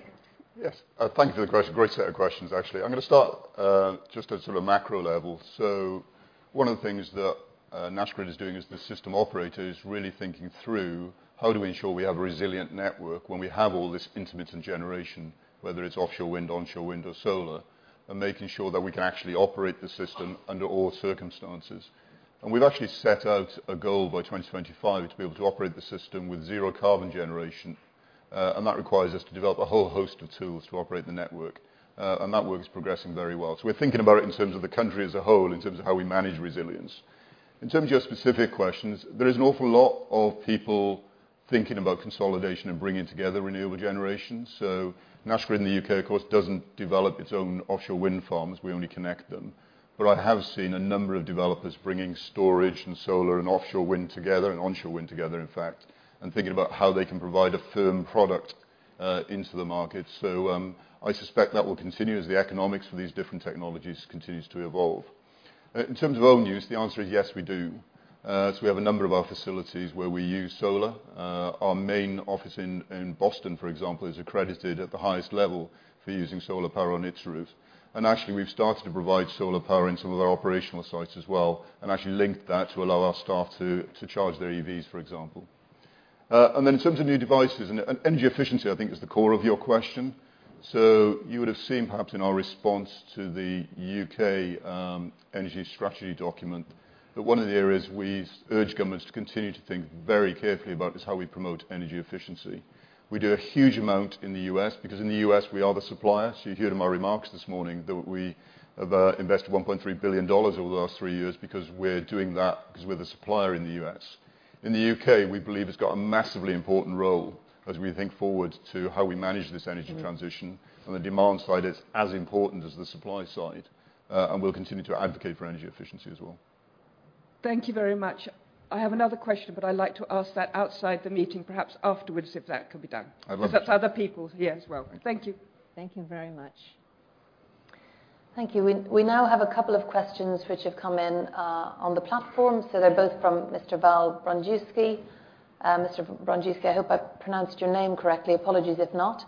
Yes. Thank you for the question. Great set of questions, actually. I'm gonna start, just at sort of macro level. One of the things that, National Grid is doing as the system operator is really thinking through how do we ensure we have a resilient network when we have all this intermittent generation, whether it's offshore wind, onshore wind or solar, and making sure that we can actually operate the system under all circumstances. We've actually set out a goal by 2025 to be able to operate the system with zero carbon generation, and that requires us to develop a whole host of tools to operate the network, and that work is progressing very well. We're thinking about it in terms of the country as a whole, in terms of how we manage resilience. In terms of your specific questions, there is an awful lot of people thinking about consolidation and bringing together renewable generations. National Grid in the U.K., of course, doesn't develop its own offshore wind farms, we only connect them. I have seen a number of developers bringing storage and solar and offshore wind together, and onshore wind together, in fact, and thinking about how they can provide a firm product into the market. I suspect that will continue as the economics for these different technologies continues to evolve. In terms of own use, the answer is yes, we do. We have a number of our facilities where we use solar. Our main office in Boston, for example, is accredited at the highest level for using solar power on its roof. Actually, we've started to provide solar power in some of our operational sites as well, and actually linked that to allow our staff to charge their EVs, for example. In terms of new devices and energy efficiency, I think is the core of your question. You would've seen perhaps in our response to the UK energy strategy document that one of the areas we urge governments to continue to think very carefully about is how we promote energy efficiency. We do a huge amount in the U.S. because in the U.S. we are the supplier. You heard in my remarks this morning that we have invested $1.3 billion over the last three years because we're doing that 'cause we're the supplier in the U.S. In the UK, we believe it's got a massively important role as we think forward to how we manage this energy transition. From the demand side, it's as important as the supply side, and we'll continue to advocate for energy efficiency as well. Thank you very much. I have another question, but I'd like to ask that outside the meeting, perhaps afterwards, if that can be done. I'd love to. 'Cause that's other people here as well. Thank you. Thank you very much. Thank you. We now have a couple of questions which have come in on the platform. They're both from Mr. Val Brankie. Mr. Brandewski, I hope I've pronounced your name correctly. Apologies if not.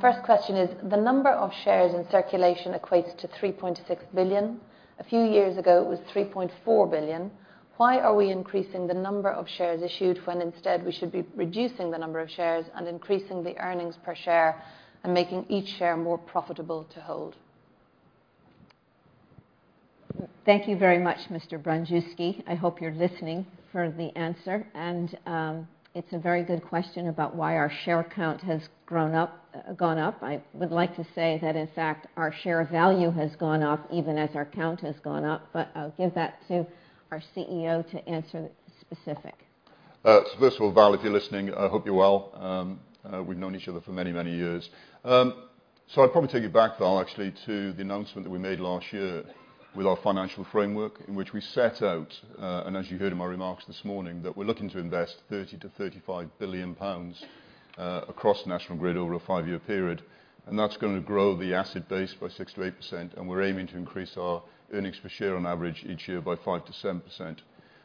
First question is, the number of shares in circulation equates to 3.6 billion. A few years ago, it was 3.4 billion. Why are we increasing the number of shares issued when instead we should be reducing the number of shares and increasing the earnings per share and making each share more profitable to hold? Thank you very much, Mr. Val Brandewski. I hope you're listening for the answer, and it's a very good question about why our share count has gone up. I would like to say that in fact, our share value has gone up even as our count has gone up, but I'll give that to our CEO to answer specifically. First of all, Val, if you're listening, I hope you're well. We've known each other for many, many years. I'd probably take it back, Val, actually to the announcement that we made last year with our financial framework in which we set out, and as you heard in my remarks this morning, that we're looking to invest 30 billion-35 billion pounds across National Grid over a five-year period, and that's gonna grow the asset base by 6%-8%, and we're aiming to increase our earnings per share on average each year by 5%-7%.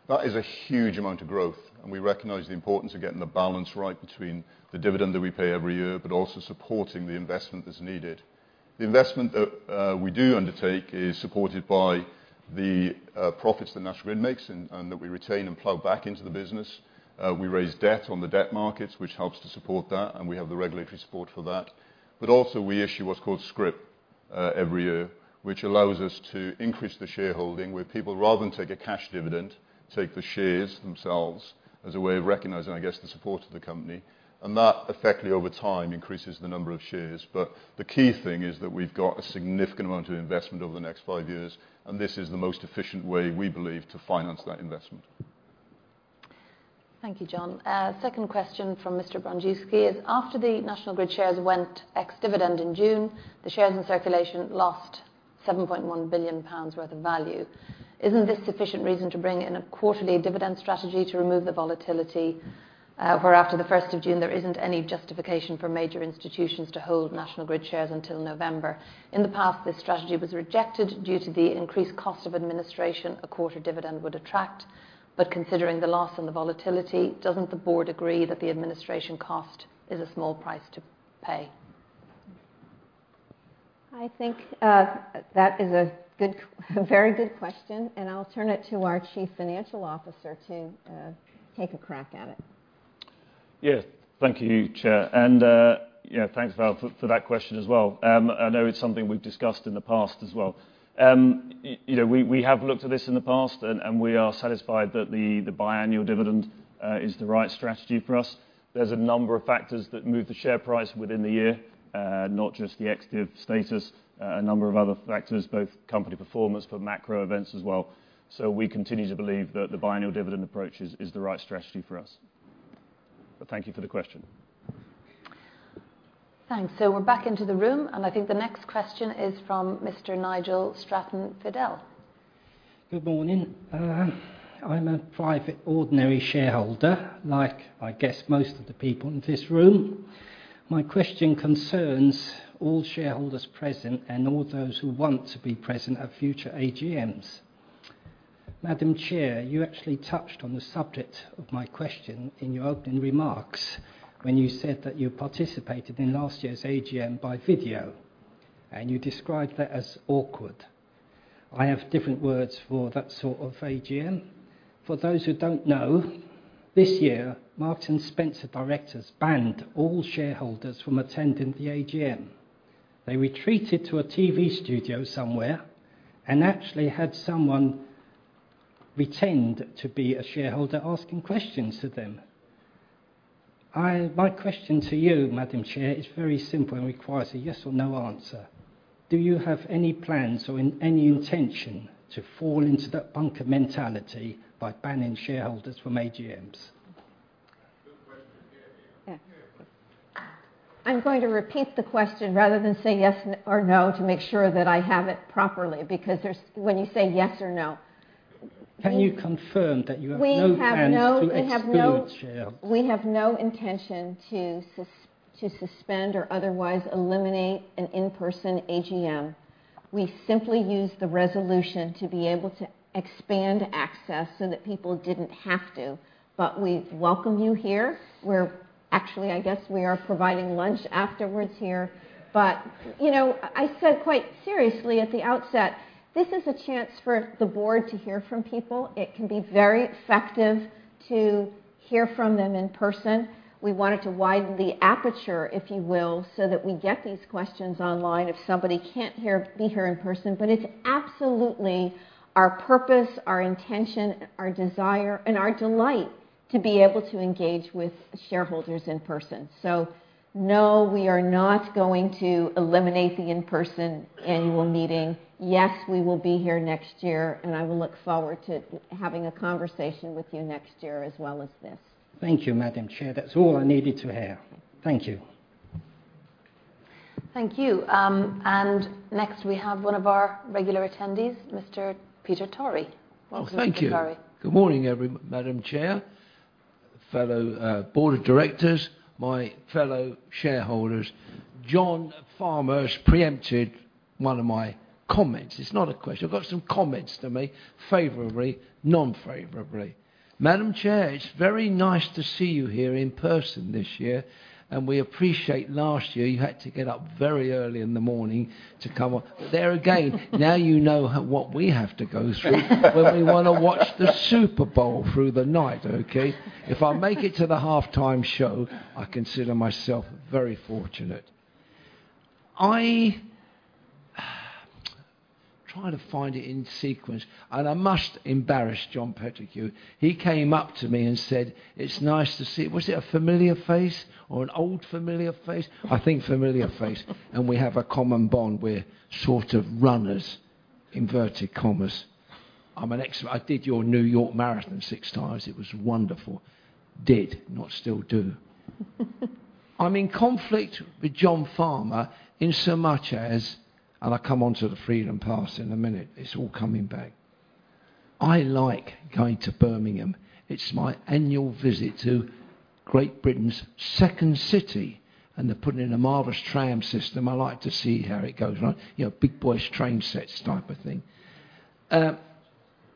That is a huge amount of growth, and we recognize the importance of getting the balance right between the dividend that we pay every year, but also supporting the investment that's needed. The investment that we do undertake is supported by the profits that National Grid makes and that we retain and plow back into the business. We raise debt on the debt markets, which helps to support that, and we have the regulatory support for that. Also we issue what's called scrip every year, which allows us to increase the shareholding where people, rather than take a cash dividend, take the shares themselves as a way of recognizing, I guess, the support of the company, and that effectively over time increases the number of shares. The key thing is that we've got a significant amount of investment over the next five years, and this is the most efficient way we believe to finance that investment. Thank you, John. Second question from Mr. Val Brandewski is, after the National Grid shares went ex-dividend in June, the shares in circulation lost 7.1 billion pounds worth of value. Isn't this sufficient reason to bring in a quarterly dividend strategy to remove the volatility, where after the first of June, there isn't any justification for major institutions to hold National Grid shares until November? In the past, this strategy was rejected due to the increased cost of administration a quarterly dividend would attract. Considering the loss and the volatility, doesn't the board agree that the administration cost is a small price to pay? I think that is a very good question, and I'll turn it to our Chief Financial Officer to take a crack at it. Thank you, Chair. You know, thanks, Val, for that question as well. I know it's something we've discussed in the past as well. You know, we have looked at this in the past and we are satisfied that the biannual dividend is the right strategy for us. There's a number of factors that move the share price within the year, not just the ex-div status. A number of other factors, both company performance but macro events as well. We continue to believe that the biannual dividend approach is the right strategy for us. Thank you for the question. Thanks. We're back into the room, and I think the next question is from Mr. Nigel Stratton-Fidel. Good morning. I'm a private ordinary shareholder, like, I guess most of the people in this room. My question concerns all shareholders present and all those who want to be present at future AGMs. Madam Chair, you actually touched on the subject of my question in your opening remarks when you said that you participated in last year's AGM by video, and you described that as awkward. I have different words for that sort of AGM. For those who don't know, this year, Marks & Spencer directors banned all shareholders from attending the AGM. They retreated to a TV studio somewhere and actually had someone pretend to be a shareholder asking questions to them. My question to you, Madam Chair, is very simple and requires a yes or no answer. Do you have any plans or any intention to fall into that bunker mentality by banning shareholders from AGMs? Good question. Hear, hear. Yeah. I'm going to repeat the question rather than say yes or no to make sure that I have it properly. When you say yes or no Can you confirm that you have no plans? We have no- to exclude shareholders? We have no intention to suspend or otherwise eliminate an in-person AGM. We simply use the resolution to be able to expand access so that people didn't have to. We welcome you here. We're actually, I guess we are providing lunch afterwards here. you know, I said quite seriously at the outset, this is a chance for the board to hear from people. It can be very effective to hear from them in person. We wanted to widen the aperture, if you will, so that we get these questions online if somebody can't hear, be here in person. It's absolutely our purpose, our intention, our desire and our delight to be able to engage with shareholders in person. no, we are not going to eliminate the in-person annual meeting. Yes, we will be here next year, and I will look forward to having a conversation with you next year as well as this. Thank you, Madam Chair. That's all I needed to hear. Thank you. Thank you. Next we have one of our regular attendees, Mr. Peter Tory. Welcome, Mr. Tory. Oh, thank you. Good morning, Madam Chair, fellow board of directors, my fellow shareholders. John Farmer's preempted one of my comments. It's not a question. I've got some comments to make, favorably, non-favorably. Madam Chair, it's very nice to see you here in person this year, and we appreciate last year, you had to get up very early in the morning to come up. Now you know what we have to go through when we wanna watch the Super Bowl through the night, okay? If I make it to the halftime show, I consider myself very fortunate. Trying to find it in sequence, and I must embarrass John Pettigrew. He came up to me and said, "It's nice to see." Was it a familiar face or an old familiar face? I think familiar face. We have a common bond. We're sort of runners, inverted commas. I did your New York Marathon six times. It was wonderful. I did, not still do. I'm in conflict with John Farmer in so much as I come onto the Freedom Pass in a minute. It's all coming back. I like going to Birmingham. It's my annual visit to Great Britain's second city, and they're putting in a marvelous tram system. I like to see how it goes around. You know, big boys' train sets type of thing.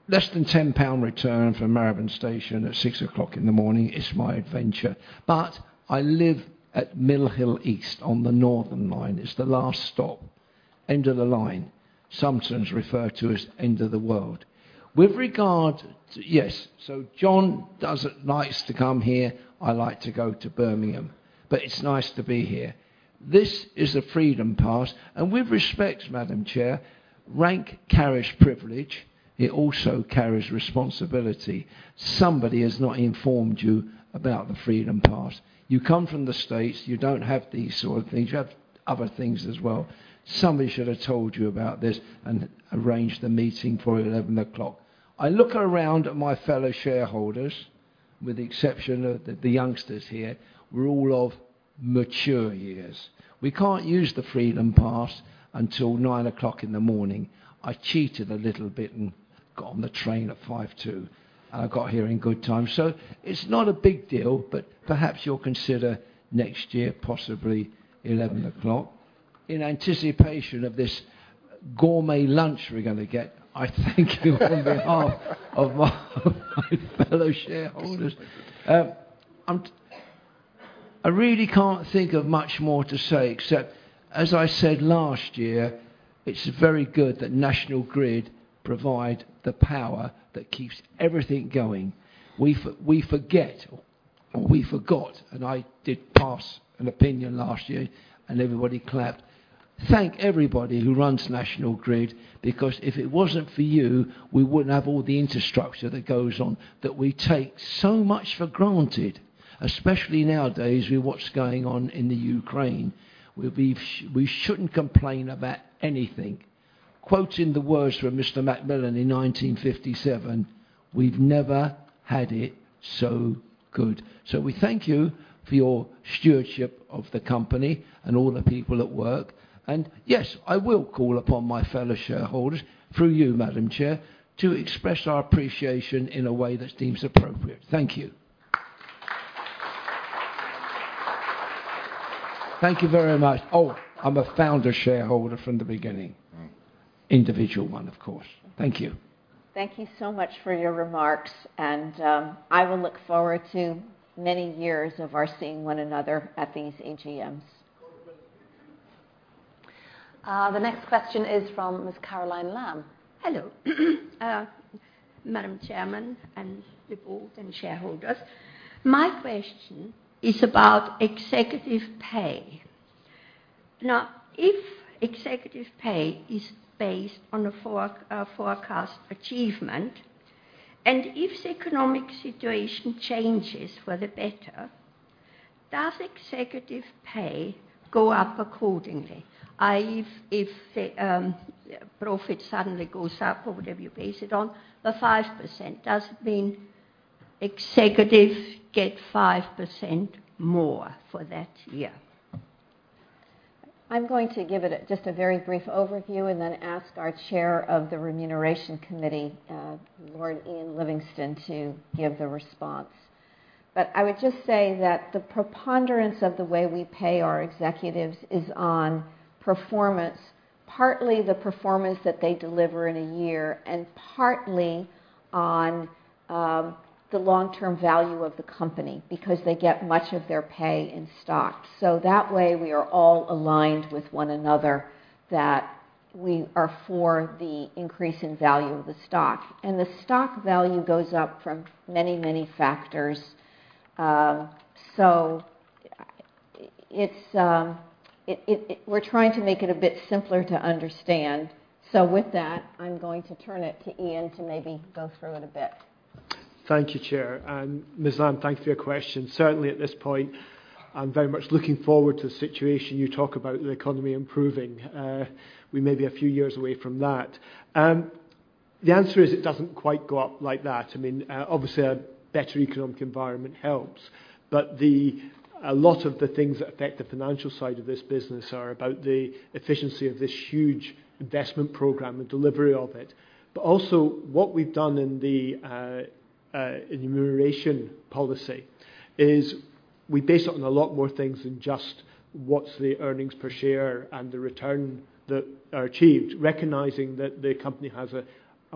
Less than 10 pound return from Marylebone Station at 6:00 A.M. is my adventure. I live at Mill Hill East on the Northern line. It's the last stop, end of the line, sometimes referred to as end of the world. With regard to Yes, John likes to come here, I like to go to Birmingham, but it's nice to be here. This is a Freedom Pass, and with respect, Madam Chair, rank carries privilege. It also carries responsibility. Somebody has not informed you about the Freedom Pass. You come from the States, you don't have these sort of things. You have other things as well. Somebody should have told you about this and arranged the meeting for 11:00 A.M. I look around at my fellow shareholders. With the exception of the youngsters here, we're all of mature years. We can't use the Freedom Pass until 9:00 A.M. I cheated a little bit and got on the train at 5:02 A.M. I got here in good time. It's not a big deal, but perhaps you'll consider next year, possibly 11:00 A.M. In anticipation of this gourmet lunch we're gonna get, I thank you on behalf of my fellow shareholders. I really can't think of much more to say, except as I said last year, it's very good that National Grid provide the power that keeps everything going. We forget or we forgot, and I did pass an opinion last year and everybody clapped. Thank everybody who runs National Grid, because if it wasn't for you, we wouldn't have all the infrastructure that goes on that we take so much for granted, especially nowadays with what's going on in Ukraine. We shouldn't complain about anything. Quoting the words from Mr. Macmillan in 1957, "We've never had it so good." We thank you for your stewardship of the company and all the people at work. Yes, I will call upon my fellow shareholders through you, Madam Chair, to express our appreciation in a way that seems appropriate. Thank you. Thank you very much. Oh, I'm a founder shareholder from the beginning. Mm. Individual one, of course. Thank you. Thank you so much for your remarks, and I will look forward to many years of our seeing one another at these AGMs. The next question is from Miss Caroline Lamb. Hello. Madam Chairman and the board and shareholders, my question is about executive pay. Now, if executive pay is based on a forecast achievement, and if the economic situation changes for the better, does executive pay go up accordingly, if the profit suddenly goes up or whatever you base it on, the 5%, does it mean executives get 5% more for that year? I'm going to give it just a very brief overview and then ask our Chair of the Remuneration Committee, Lord Ian Livingston, to give the response. I would just say that the preponderance of the way we pay our executives is on performance, partly the performance that they deliver in a year and partly on the long-term value of the company because they get much of their pay in stock. That way we are all aligned with one another that we are for the increase in value of the stock. The stock value goes up from many, many factors. We're trying to make it a bit simpler to understand. With that, I'm going to turn it to Ian to maybe go through it a bit. Thank you, Chair. Ms. Lamb, thank you for your question. Certainly at this point, I'm very much looking forward to the situation you talk about, the economy improving. We may be a few years away from that. The answer is it doesn't quite go up like that. I mean, obviously, a better economic environment helps, but a lot of the things that affect the financial side of this business are about the efficiency of this huge investment program and delivery of it. But also what we've done in the remuneration policy is we base it on a lot more things than just what's the earnings per share and the return that are achieved, recognizing that the company has a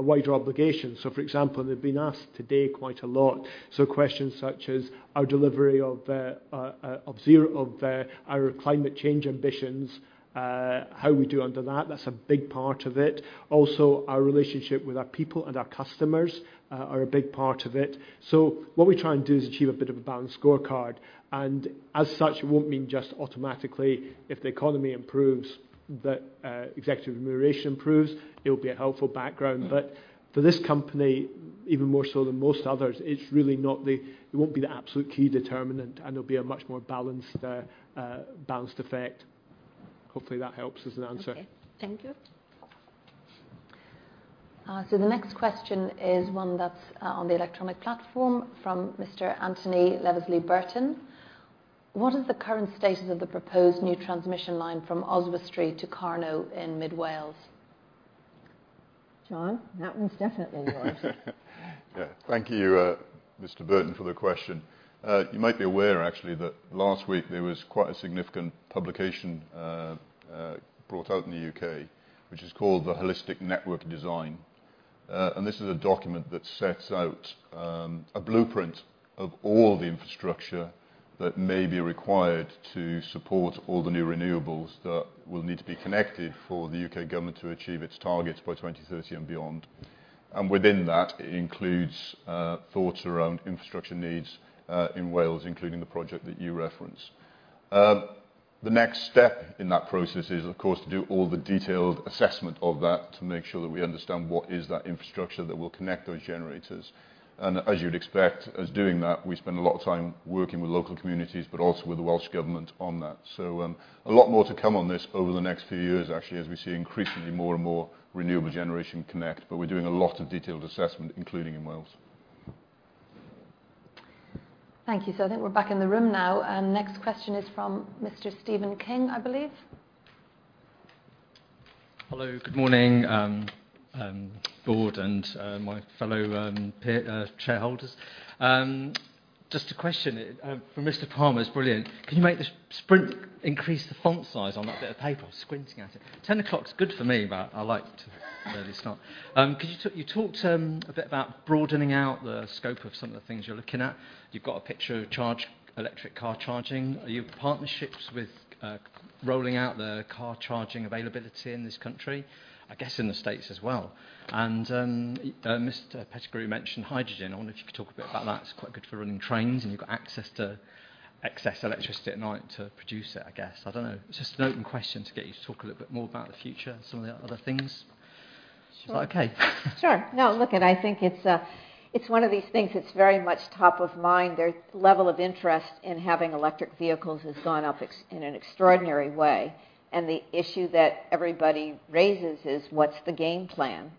wider obligation. For example, they've been asked today quite a lot, so questions such as our delivery of our climate change ambitions, how we do under that. That's a big part of it. Also, our relationship with our people and our customers are a big part of it. What we try and do is achieve a bit of a balanced scorecard. As such, it won't mean just automatically if the economy improves that executive remuneration improves. It'll be a helpful background. For this company, even more so than most others, it's really not the it won't be the absolute key determinant, and it'll be a much more balanced effect. Hopefully, that helps as an answer. Okay. Thank you. The next question is one that's on the electronic platform from Mr. Anthony Levesley Burton. What is the current status of the proposed new transmission line from Oswestry to Carno in Mid Wales? John, that one's definitely yours. Yeah. Thank you, Mr. Burton, for the question. You might be aware actually that last week there was quite a significant publication brought out in the UK, which is called the Holistic Network Design. This is a document that sets out a blueprint of all the infrastructure that may be required to support all the new renewables that will need to be connected for the UK government to achieve its targets by 2030 and beyond. Within that, it includes thoughts around infrastructure needs in Wales, including the project that you referenced. The next step in that process is, of course, to do all the detailed assessment of that to make sure that we understand what is that infrastructure that will connect those generators. As you'd expect, as doing that, we spend a lot of time working with local communities but also with the Welsh government on that. A lot more to come on this over the next few years, actually, as we see increasingly more and more renewable generation connect. We're doing a lot of detailed assessment, including in Wales. Thank you. I think we're back in the room now. Next question is from Mr. Stephen King, I believe. Hello. Good morning, board and my fellow peer shareholders. Just a question for Mr. Palmer. Can you make the screen increase the font size on that bit of paper? I'm squinting at it. 10:00 A.M.'s good for me, but I like to. No, it's not. You talked a bit about broadening out the scope of some of the things you're looking at. You've got a picture of charging, electric car charging. Are you in partnerships with rolling out the car charging availability in this country? I guess in the States as well. Mr. Pettigrew mentioned hydrogen. I wonder if you could talk a bit about that. It's quite good for running trains, and you've got access to excess electricity at night to produce it, I guess. I don't know. Just an open question to get you to talk a little bit more about the future and some of the other things. Sure. Is that okay? Sure. No, look, I think it's one of these things that's very much top of mind. Their level of interest in having electric vehicles has gone up exponentially in an extraordinary way, and the issue that everybody raises is, what's the game plan?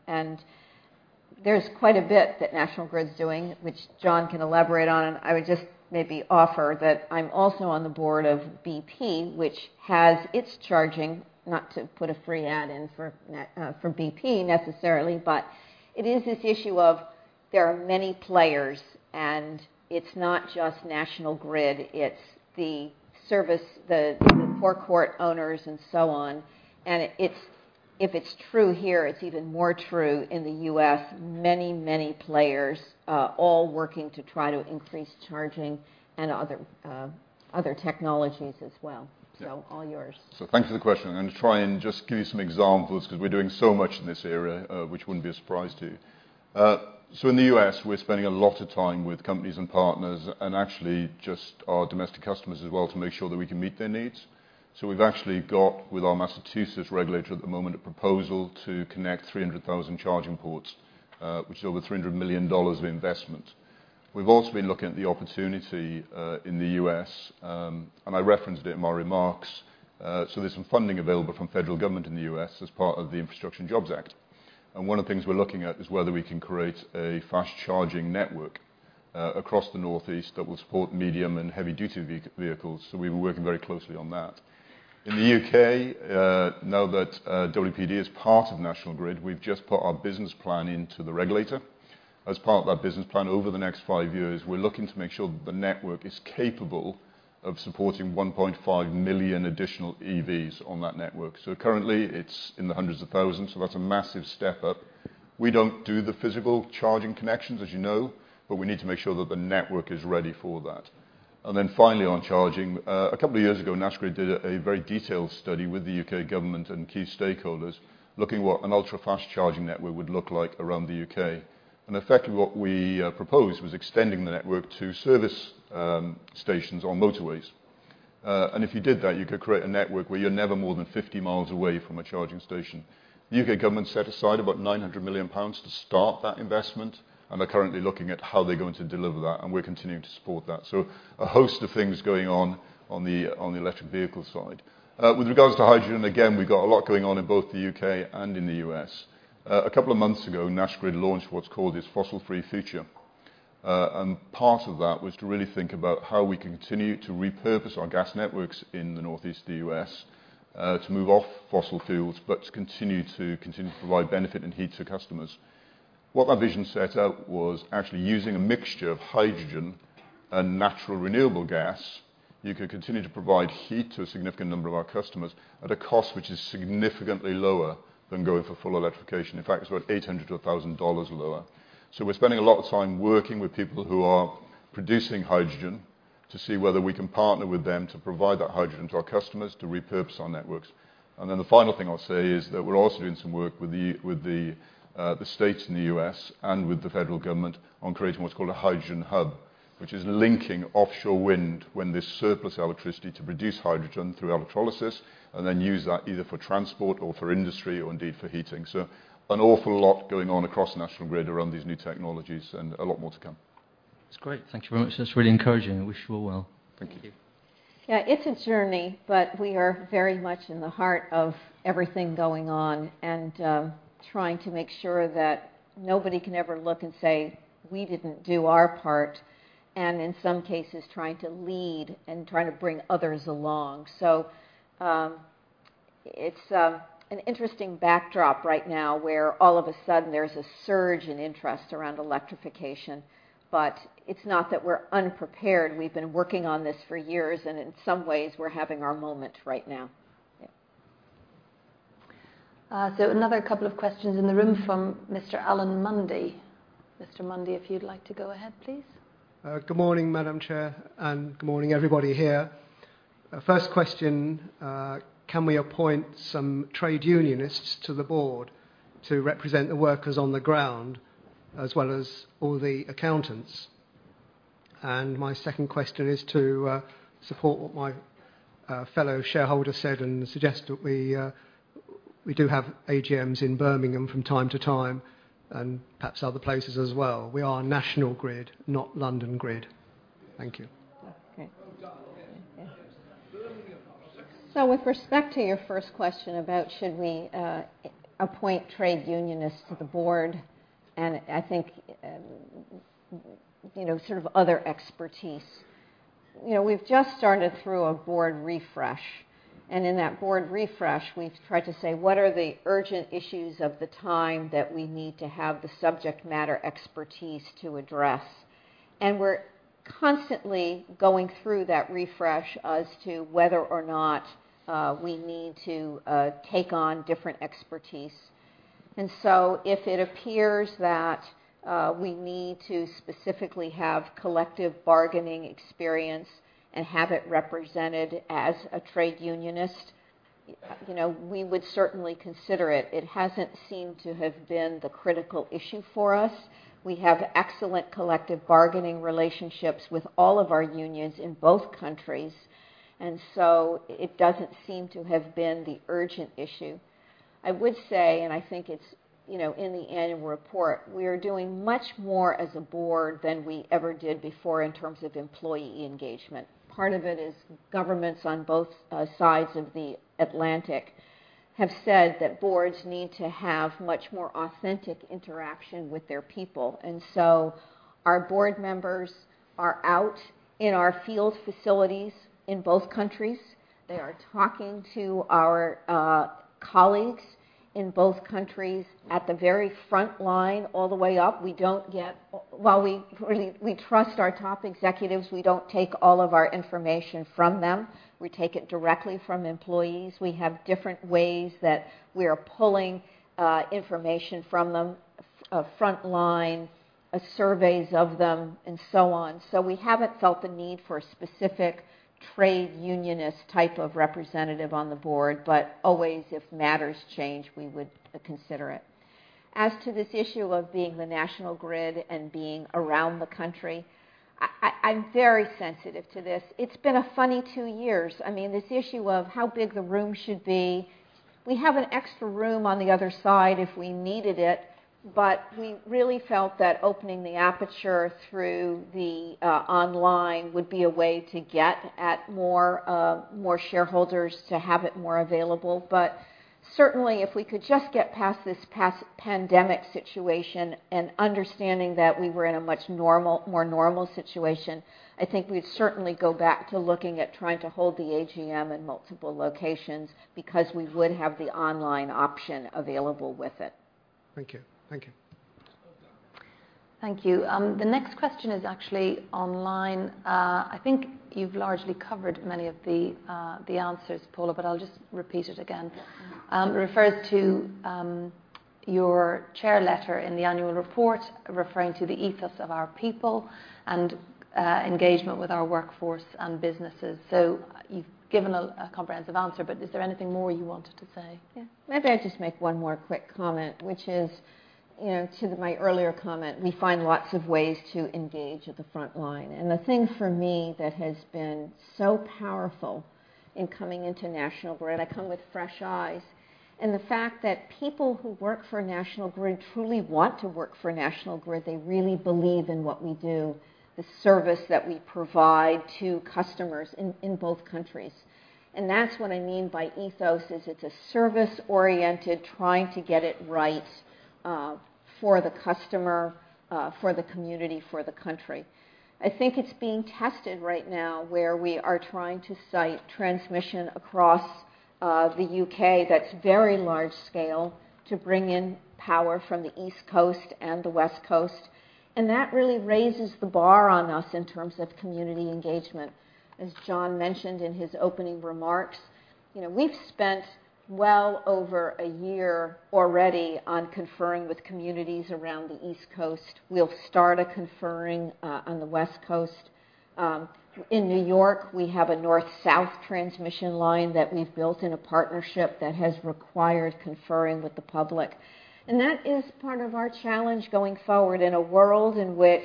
There's quite a bit that National Grid's doing, which John can elaborate on. I would just maybe offer that I'm also on the board of BP, which has its charging, not to put a free ad in for BP necessarily, but it is this issue of there are many players, and it's not just National Grid. It's the service stations, the forecourt owners and so on. It's true here, it's even more true in the U.S. Many, many players all working to try to increase charging and other technologies as well. Yeah. All yours. Thank you for the question. I'm gonna try and just give you some examples 'cause we're doing so much in this area, which wouldn't be a surprise to you. In the U.S. we're spending a lot of time with companies and partners and actually just our domestic customers as well to make sure that we can meet their needs. We've actually got with our Massachusetts regulator at the moment a proposal to connect 300,000 charging ports, which is over $300 million of investment. We've also been looking at the opportunity in the U.S., and I referenced it in my remarks. There's some funding available from federal government in the U.S. As part of the Infrastructure Investment and Jobs Act, and one of the things we're looking at is whether we can create a fast-charging network across the Northeast that will support medium and heavy-duty vehicles. We've been working very closely on that. In the UK, now that WPD is part of National Grid, we've just put our business plan into the regulator. As part of that business plan, over the next five-years, we're looking to make sure that the network is capable of supporting 1.5 million additional EVs on that network. Currently, it's in the hundreds of thousands, so that's a massive step up. We don't do the physical charging connections, as you know, but we need to make sure that the network is ready for that. Finally on charging, a couple of years ago, National Grid did a very detailed study with the UK government and key stakeholders looking at what an ultra-fast charging network would look like around the UK. Effectively what we proposed was extending the network to service stations on motorways. If you did that, you could create a network where you're never more than 50 miles away from a charging station. The UK government set aside about 900 million pounds to start that investment, and they're currently looking at how they're going to deliver that, and we're continuing to support that. A host of things going on on the electric vehicle side. With regards to hydrogen, again, we've got a lot going on in both the UK and in the U.S. A couple of months ago, National Grid launched what's called its Clean Energy Vision. Part of that was to really think about how we continue to repurpose our gas networks in the northeast of the U.S., to move off fossil fuels, but to continue to provide benefit and heat to customers. What that vision set out was actually using a mixture of hydrogen and natural renewable gas, you could continue to provide heat to a significant number of our customers at a cost which is significantly lower than going for full electrification. In fact, it's about $800-1,000 lower. We're spending a lot of time working with people who are producing hydrogen to see whether we can partner with them to provide that hydrogen to our customers to repurpose our networks. The final thing I'll say is that we're also doing some work with the states in the U.S. and with the federal government on creating what's called a hydrogen hub, which is linking offshore wind when there's surplus electricity to produce hydrogen through electrolysis and then use that either for transport or for industry or indeed for heating. An awful lot going on across National Grid around these new technologies and a lot more to come. That's great. Thank you very much. That's really encouraging. I wish you all well. Thank you. Yeah, it's a journey, but we are very much in the heart of everything going on and, trying to make sure that nobody can ever look and say we didn't do our part and in some cases trying to lead and trying to bring others along. It's an interesting backdrop right now where all of a sudden there's a surge in interest around electrification. It's not that we're unprepared. We've been working on this for years, and in some ways, we're having our moment right now. Yeah. Another couple of questions in the room from Mr. Alan Mundey. Mr. Mundey, if you'd like to go ahead, please. Good morning, Madam Chair, and good morning, everybody here. First question, can we appoint some trade unionists to the board to represent the workers on the ground as well as all the accountants? My second question is to support what my fellow shareholder said and suggest that we do have AGMs in Birmingham from time to time and perhaps other places as well. We are National Grid, not London Grid. Thank you. Okay. With respect to your first question about should we appoint trade unionists to the board and I think, you know, sort of other expertise, you know, we've just started through a board refresh, and in that board refresh we've tried to say, "What are the urgent issues of the time that we need to have the subject matter expertise to address?" We're constantly going through that refresh as to whether or not we need to take on different expertise. If it appears that we need to specifically have collective bargaining experience and have it represented as a trade unionist, you know, we would certainly consider it. It hasn't seemed to have been the critical issue for us. We have excellent collective bargaining relationships with all of our unions in both countries, and it doesn't seem to have been the urgent issue. I would say, and I think it's, you know, in the annual report, we are doing much more as a board than we ever did before in terms of employee engagement. Part of it is governments on both sides of the Atlantic have said that boards need to have much more authentic interaction with their people. Our board members are out in our field facilities in both countries. They are talking to our colleagues in both countries at the very front line all the way up. While we really trust our top executives, we don't take all of our information from them. We take it directly from employees. We have different ways that we are pulling information from them, of front line surveys of them and so on. We haven't felt the need for a specific trade unionist type of representative on the board. Always, if matters change, we would consider it. As to this issue of being the National Grid and being around the country, I'm very sensitive to this. It's been a funny two years. I mean, this issue of how big the room should be, we have an extra room on the other side if we needed it. We really felt that opening the aperture through the online would be a way to get at more, more shareholders to have it more available. Certainly, if we could just get past this past pandemic situation and understanding that we were in a more normal situation, I think we'd certainly go back to looking at trying to hold the AGM in multiple locations because we would have the online option available with it. Thank you. Thank you. Thank you. The next question is actually online. I think you've largely covered many of the answers, Paula, but I'll just repeat it again. Refers to your chair letter in the annual report referring to the ethos of our people and engagement with our workforce and businesses. You've given a comprehensive answer, but is there anything more you wanted to say? Yeah. Maybe I'll just make one more quick comment, which is, you know, to my earlier comment, we find lots of ways to engage at the front line. The thing for me that has been so powerful in coming into National Grid, I come with fresh eyes, and the fact that people who work for National Grid truly want to work for National Grid, they really believe in what we do, the service that we provide to customers in both countries. That's what I mean by ethos, is it's a service-oriented, trying to get it right, for the customer, for the community, for the country. I think it's being tested right now where we are trying to site transmission across the U.K. that's very large scale to bring in power from the East Coast and the West Coast. That really raises the bar on us in terms of community engagement. As John mentioned in his opening remarks, you know, we've spent well over a year already on conferring with communities around the East Coast. We'll start conferring on the West Coast. In New York, we have a North-South transmission line that we've built in a partnership that has required conferring with the public. That is part of our challenge going forward in a world in which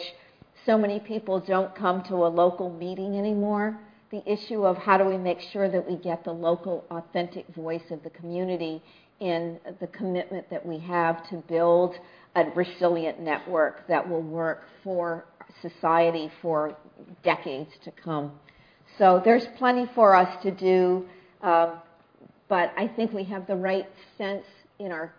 so many people don't come to a local meeting anymore. The issue of how do we make sure that we get the local authentic voice of the community and the commitment that we have to build a resilient network that will work for society for decades to come. There's plenty for us to do, but I think we have the right sense in our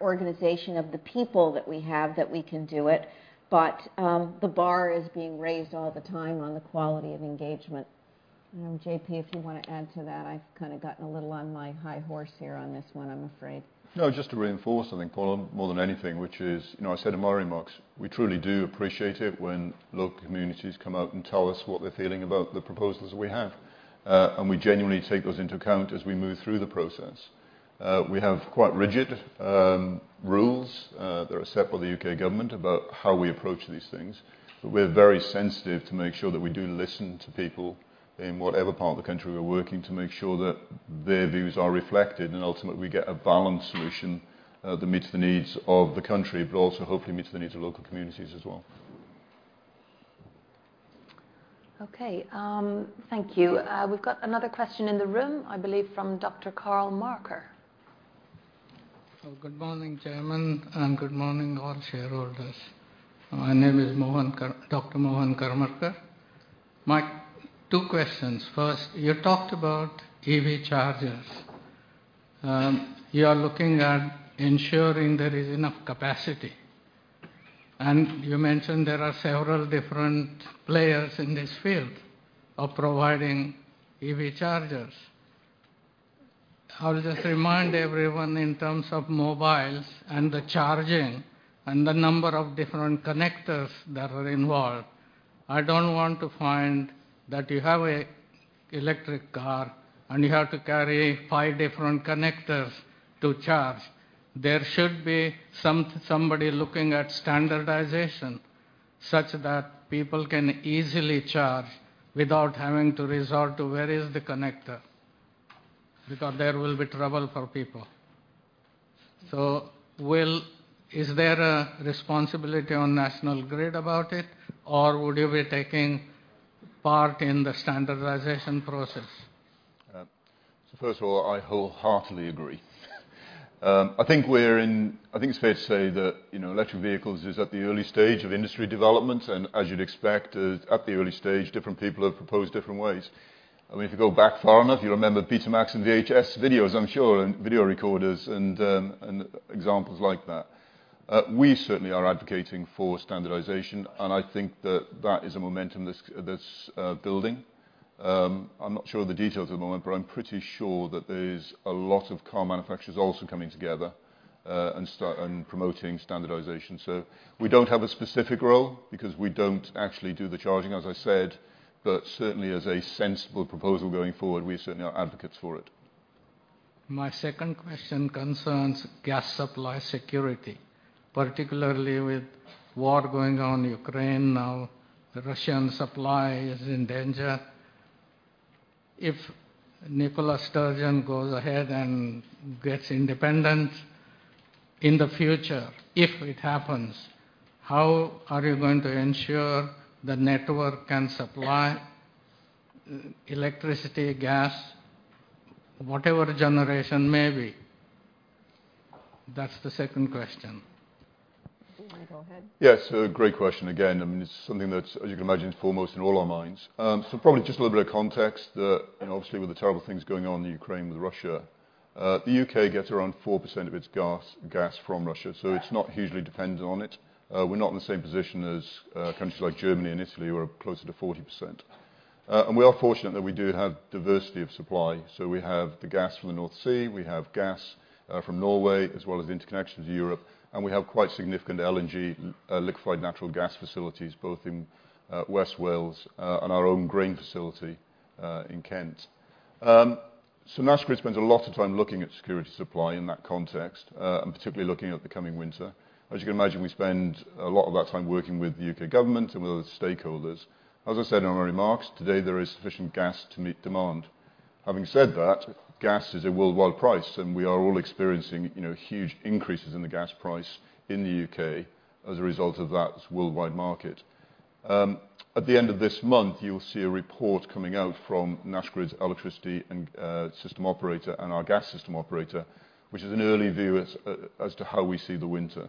organization of the people that we have that we can do it. The bar is being raised all the time on the quality of engagement. J.P., if you wanna add to that. I've kind of gotten a little on my high horse here on this one, I'm afraid. No, just to reinforce, I think, Paula, more than anything, which is, you know, I said in my remarks, we truly do appreciate it when local communities come out and tell us what they're feeling about the proposals we have. We genuinely take those into account as we move through the process. We have quite rigid rules that are set by the U.K. government about how we approach these things. We're very sensitive to make sure that we do listen to people in whatever part of the country we're working to make sure that their views are reflected, and ultimately we get a balanced solution that meets the needs of the country, but also hopefully meets the needs of local communities as well. Okay. Thank you. We've got another question in the room, I believe, from Dr. Karl Marker. Oh, good morning, Chairman, and good morning, all shareholders. My name is Dr. Mohan Karmarkar. My two questions. First, you talked about EV chargers. You are looking at ensuring there is enough capacity. You mentioned there are several different players in this field of providing EV chargers. I'll just remind everyone in terms of mobiles and the charging and the number of different connectors that are involved. I don't want to find that you have an electric car and you have to carry five different connectors to charge. There should be somebody looking at standardization such that people can easily charge without having to resort to where is the connector, because there will be trouble for people. Is there a responsibility on National Grid about it, or would you be taking part in the standardization process? First of all, I wholeheartedly agree. I think it's fair to say that, you know, electric vehicles is at the early stage of industry development. As you'd expect, at the early stage, different people have proposed different ways. I mean, if you go back far enough, you remember Betamax and VHS videos, I'm sure, and video recorders and examples like that. We certainly are advocating for standardization, and I think that is a momentum that's building. I'm not sure of the details at the moment, but I'm pretty sure that there's a lot of car manufacturers also coming together and promoting standardization. We don't have a specific role because we don't actually do the charging, as I said, but certainly as a sensible proposal going forward, we certainly are advocates for it. My second question concerns gas supply security, particularly with war going on in Ukraine now, the Russian supply is in danger. If Nicola Sturgeon goes ahead and gets independence in the future, if it happens, how are you going to ensure the network can supply electricity, gas, whatever generation may be? That's the second question. Do you want me to go ahead? Yes, a great question again. I mean, it's something that's, as you can imagine, foremost in all our minds. Probably just a little bit of context. You know, obviously, with the terrible things going on in Ukraine with Russia, the U.K. gets around 4% of its gas from Russia, so it's not hugely dependent on it. We're not in the same position as countries like Germany and Italy, who are closer to 40%. We are fortunate that we do have diversity of supply. We have the gas from the North Sea, we have gas from Norway, as well as the interconnection to Europe, and we have quite significant LNG liquefied natural gas facilities, both in West Wales and our own Grain facility in Kent. National Grid spends a lot of time looking at security supply in that context, and particularly looking at the coming winter. As you can imagine, we spend a lot of that time working with the U.K. government and with other stakeholders. As I said in my remarks, today there is sufficient gas to meet demand. Having said that, gas is a worldwide price, and we are all experiencing, you know, huge increases in the gas price in the U.K. as a result of that worldwide market. At the end of this month, you will see a report coming out from National Grid's electricity and system operator and our gas system operator, which is an early view as to how we see the winter.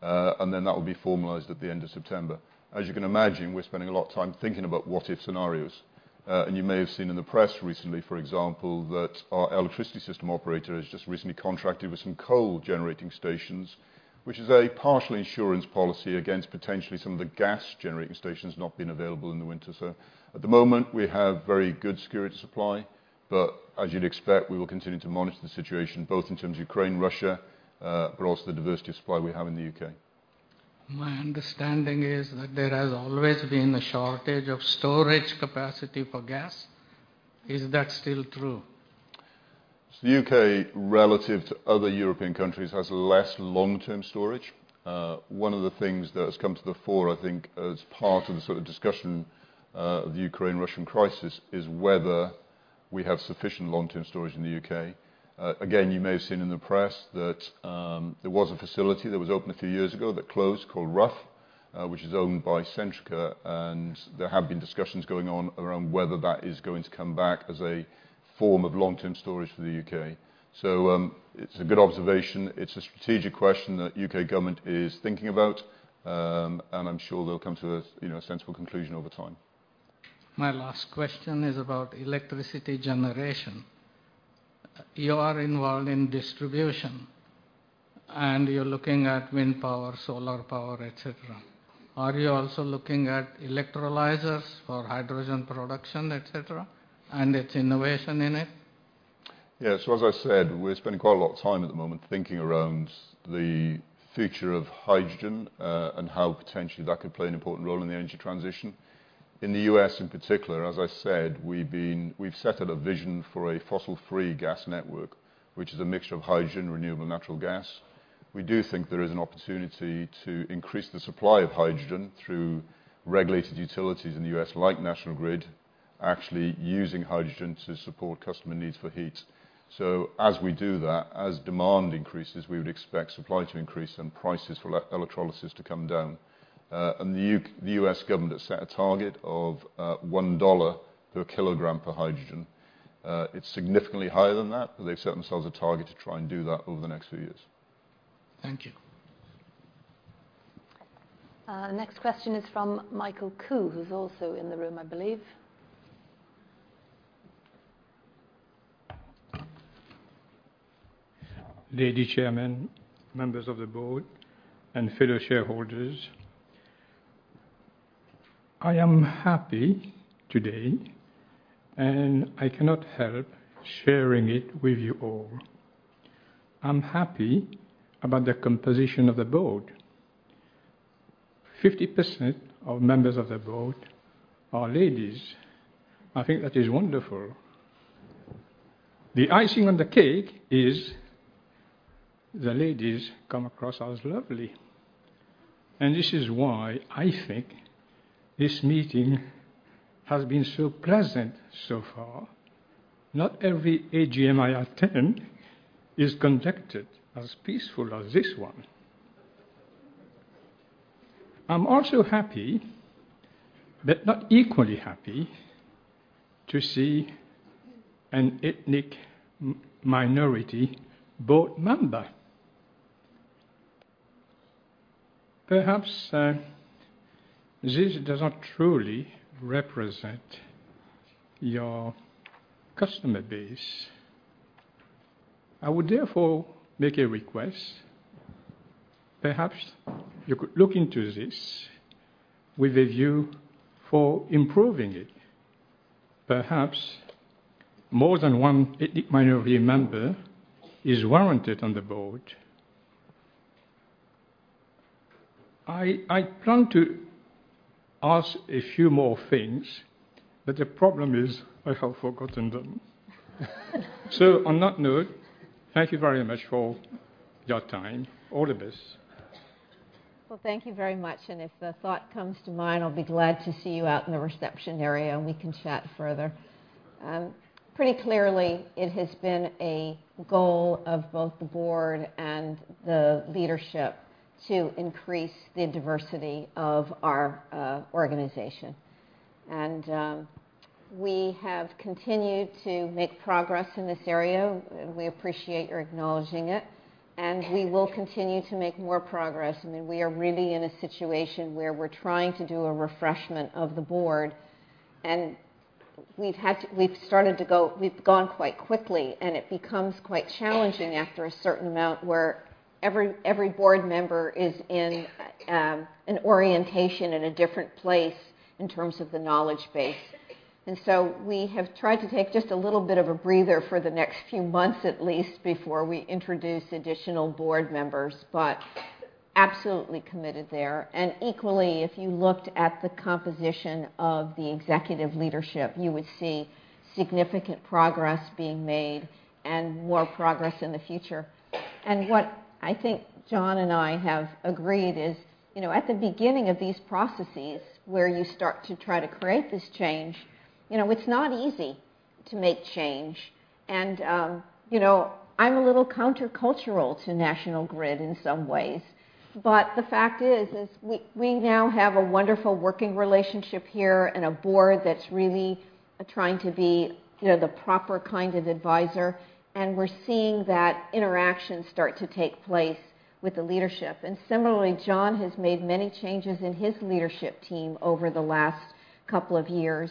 That will be formalized at the end of September. As you can imagine, we're spending a lot of time thinking about what-if scenarios. You may have seen in the press recently, for example, that our electricity system operator has just recently contracted with some coal generating stations, which is a partial insurance policy against potentially some of the gas generating stations not being available in the winter. At the moment, we have very good security of supply, but as you'd expect, we will continue to monitor the situation, both in terms of Ukraine, Russia, but also the diversity of supply we have in the UK. My understanding is that there has always been a shortage of storage capacity for gas. Is that still true? The UK, relative to other European countries, has less long-term storage. One of the things that has come to the fore, I think, as part of the sort of discussion of the Ukraine-Russian crisis is whether we have sufficient long-term storage in the UK. Again, you may have seen in the press that there was a facility that was opened a few years ago that closed, called Rough, which is owned by Centrica, and there have been discussions going on around whether that is going to come back as a form of long-term storage for the UK. It's a good observation. It's a strategic question that UK Government is thinking about, and I'm sure they'll come to a, you know, sensible conclusion over time. My last question is about electricity generation. You are involved in distribution, and you're looking at wind power, solar power, et cetera. Are you also looking at electrolyzers for hydrogen production, et cetera, and its innovation in it? As I said, we're spending quite a lot of time at the moment thinking around the future of hydrogen, and how potentially that could play an important role in the energy transition. In the U.S. in particular, as I said, we've set out a vision for a fossil-free gas network, which is a mixture of hydrogen, renewable natural gas. We do think there is an opportunity to increase the supply of hydrogen through regulated utilities in the U.S., like National Grid, actually using hydrogen to support customer needs for heat. As we do that, as demand increases, we would expect supply to increase and prices for electrolysis to come down. The U.S. government has set a target of $1 per kilogram of hydrogen. It's significantly higher than that, but they've set themselves a target to try and do that over the next few years. Thank you. Next question is from Michael Koo, who's also in the room, I believe. Lady Chairman, members of the board and fellow shareholders. I am happy today, and I cannot help sharing it with you all. I'm happy about the composition of the board. 50% of members of the board are ladies. I think that is wonderful. The icing on the cake is the ladies come across as lovely, and this is why I think this meeting has been so pleasant so far. Not every AGM I attend is conducted as peaceful as this one. I'm also happy, but not equally happy, to see an ethnic minority board member. Perhaps this does not truly represent your customer base. I would therefore make a request. Perhaps you could look into this with a view for improving it. Perhaps more than one ethnic minority member is warranted on the board. I plan to ask a few more things, but the problem is I have forgotten them. On that note, thank you very much for your time. All the best. Well, thank you very much, and if the thought comes to mind, I'll be glad to see you out in the reception area, and we can chat further. Pretty clearly it has been a goal of both the board and the leadership to increase the diversity of our organization. We have continued to make progress in this area. We appreciate your acknowledging it, and we will continue to make more progress. I mean, we are really in a situation where we're trying to do a refreshment of the board, and we've gone quite quickly, and it becomes quite challenging after a certain amount, where every board member is in an orientation in a different place in terms of the knowledge base. We have tried to take just a little bit of a breather for the next few months, at least, before we introduce additional board members. Absolutely committed there. Equally, if you looked at the composition of the executive leadership, you would see significant progress being made and more progress in the future. What I think John and I have agreed is, you know, at the beginning of these processes, where you start to try to create this change, you know, it's not easy to make change. You know, I'm a little counter-cultural to National Grid in some ways, but the fact is we now have a wonderful working relationship here and a board that's really trying to be, you know, the proper kind of advisor, and we're seeing that interaction start to take place with the leadership. Similarly, John has made many changes in his leadership team over the last couple of years,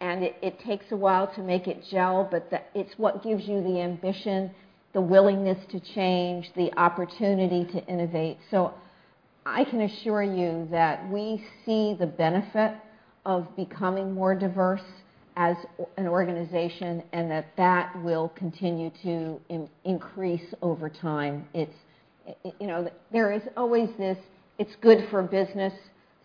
and it takes a while to make it gel, but it's what gives you the ambition, the willingness to change, the opportunity to innovate. I can assure you that we see the benefit of becoming more diverse as an organization and that will continue to increase over time. You know, there is always this, "It's good for business"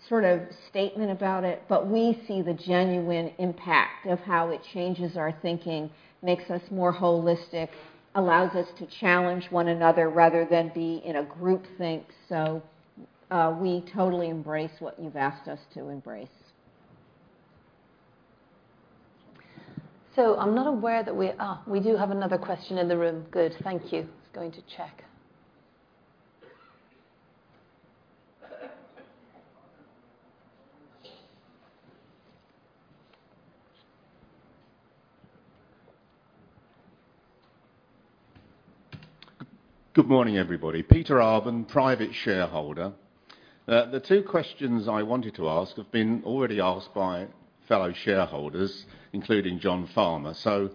sort of statement about it, but we see the genuine impact of how it changes our thinking, makes us more holistic, allows us to challenge one another rather than be in a groupthink. We totally embrace what you've asked us to embrace. We do have another question in the room. Good. Thank you. I was going to check. Good morning, everybody. Peter Arbon, Private Shareholder. The two questions I wanted to ask have been already asked by fellow shareholders, including John Farmer, so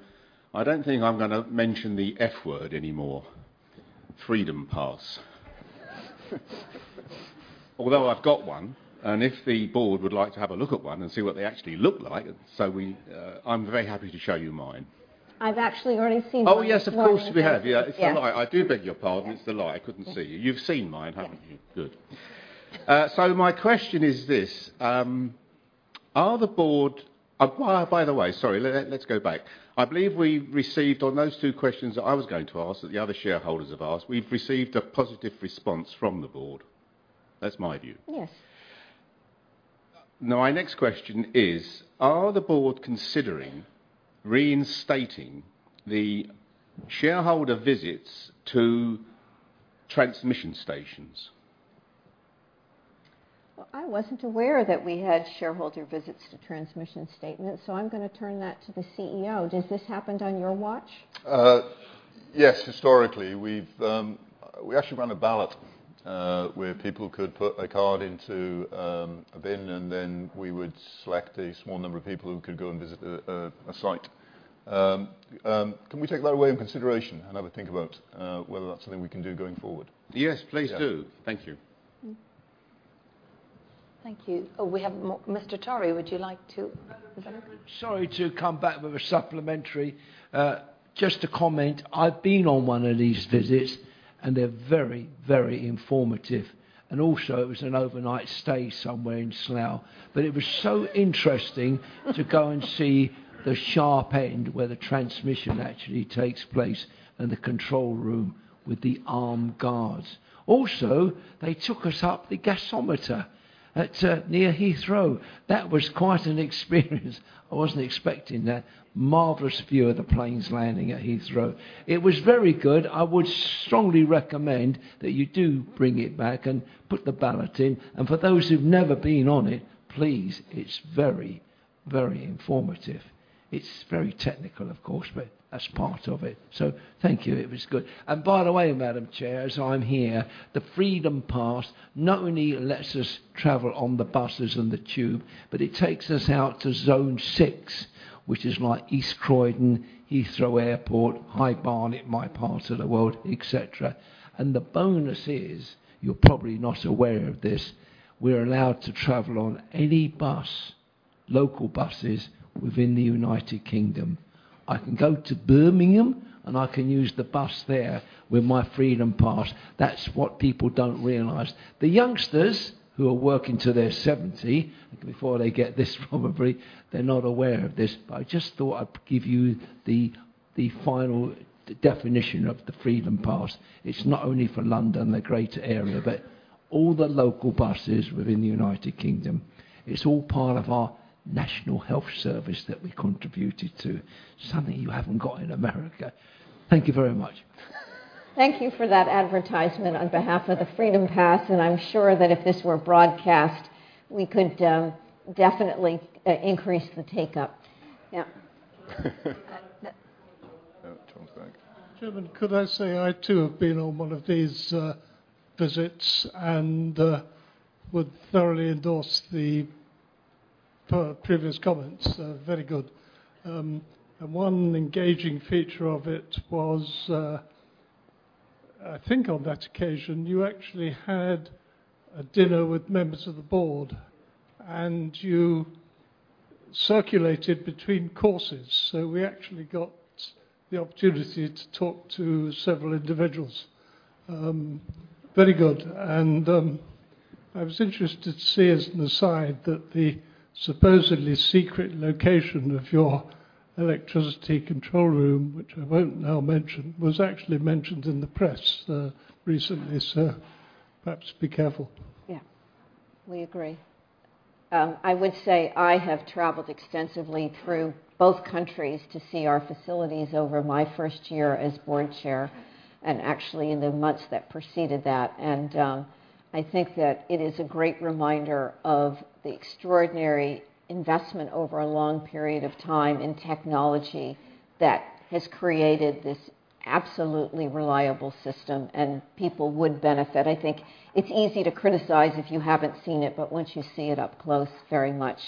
I don't think I'm gonna mention the F word anymore, Freedom Pass. Although I've got one, and if the board would like to have a look at one and see what they actually look like, I'm very happy to show you mine. I've actually already seen one. Oh, yes, of course we have. Yeah. Yeah. It's a lie. I do beg your pardon. Yes. It's a lie. I couldn't see you. You've seen mine, haven't you? Yes. Good. My question is this. By the way, sorry, let's go back. I believe we received on those two questions that I was going to ask that the other shareholders have asked, we've received a positive response from the board. That's my view. Yes. Now, my next question is the Board considering reinstating the shareholder visits to transmission stations? Well, I wasn't aware that we had shareholder visits to transmission statements, so I'm gonna turn that to the CEO. Does this happen on your watch? Yes. Historically, we've. We actually ran a ballot, where people could put a card into a bin, and then we would select a small number of people who could go and visit a site. Can we take that away in consideration and have a think about whether that's something we can do going forward? Yes, please do. Yeah. Thank you. Thank you. Oh, we have Mr. Peter Tory, would you like to go ahead? Sorry to come back with a supplementary. Just to comment, I've been on one of these visits, and they're very, very informative. It was an overnight stay somewhere in Slough. It was so interesting to go and see the sharp end where the transmission actually takes place and the control room with the armed guards. They took us up the gasometer at near Heathrow. That was quite an experience. I wasn't expecting that. Marvelous view of the planes landing at Heathrow. It was very good. I would strongly recommend that you do bring it back and put the ballot in. For those who've never been on it, please, it's very, very informative. It's very technical, of course, but that's part of it. Thank you. It was good. By the way, Madam Chair, as I'm here, the Freedom Pass not only lets us travel on the buses and the Tube, but it takes us out to zone six, which is like East Croydon, Heathrow Airport, High Barnet, my part of the world, et cetera. The bonus is, you're probably not aware of this, we're allowed to travel on any bus, local buses within the United Kingdom. I can go to Birmingham, and I can use the bus there with my Freedom Pass. That's what people don't realize. The youngsters who are working till they're seventy, before they get this probably, they're not aware of this. I just thought I'd give you the final definition of the Freedom Pass. It's not only for London, the greater area, but all the local buses within the United Kingdom. It's all part of our National Health Service that we contributed to, something you haven't got in America. Thank you very much. Thank you for that advertisement on behalf of the Freedom Pass, and I'm sure that if this were broadcast, we could definitely increase the take-up. Yeah. Tom's back. Chairman, could I say I too have been on one of these visits and would thoroughly endorse the previous comments. Very good. One engaging feature of it was, I think on that occasion, you actually had a dinner with members of the board, and you circulated between courses. We actually got the opportunity to talk to several individuals. Very good. I was interested to see as an aside that the supposedly secret location of your electricity control room, which I won't now mention, was actually mentioned in the press recently, so perhaps be careful. Yeah. We agree. I would say I have traveled extensively through both countries to see our facilities over my first year as board chair and actually in the months that preceded that. I think that it is a great reminder of the extraordinary investment over a long-period of time in technology that has created this absolutely reliable system and people would benefit. I think it's easy to criticize if you haven't seen it, but once you see it up close, very much,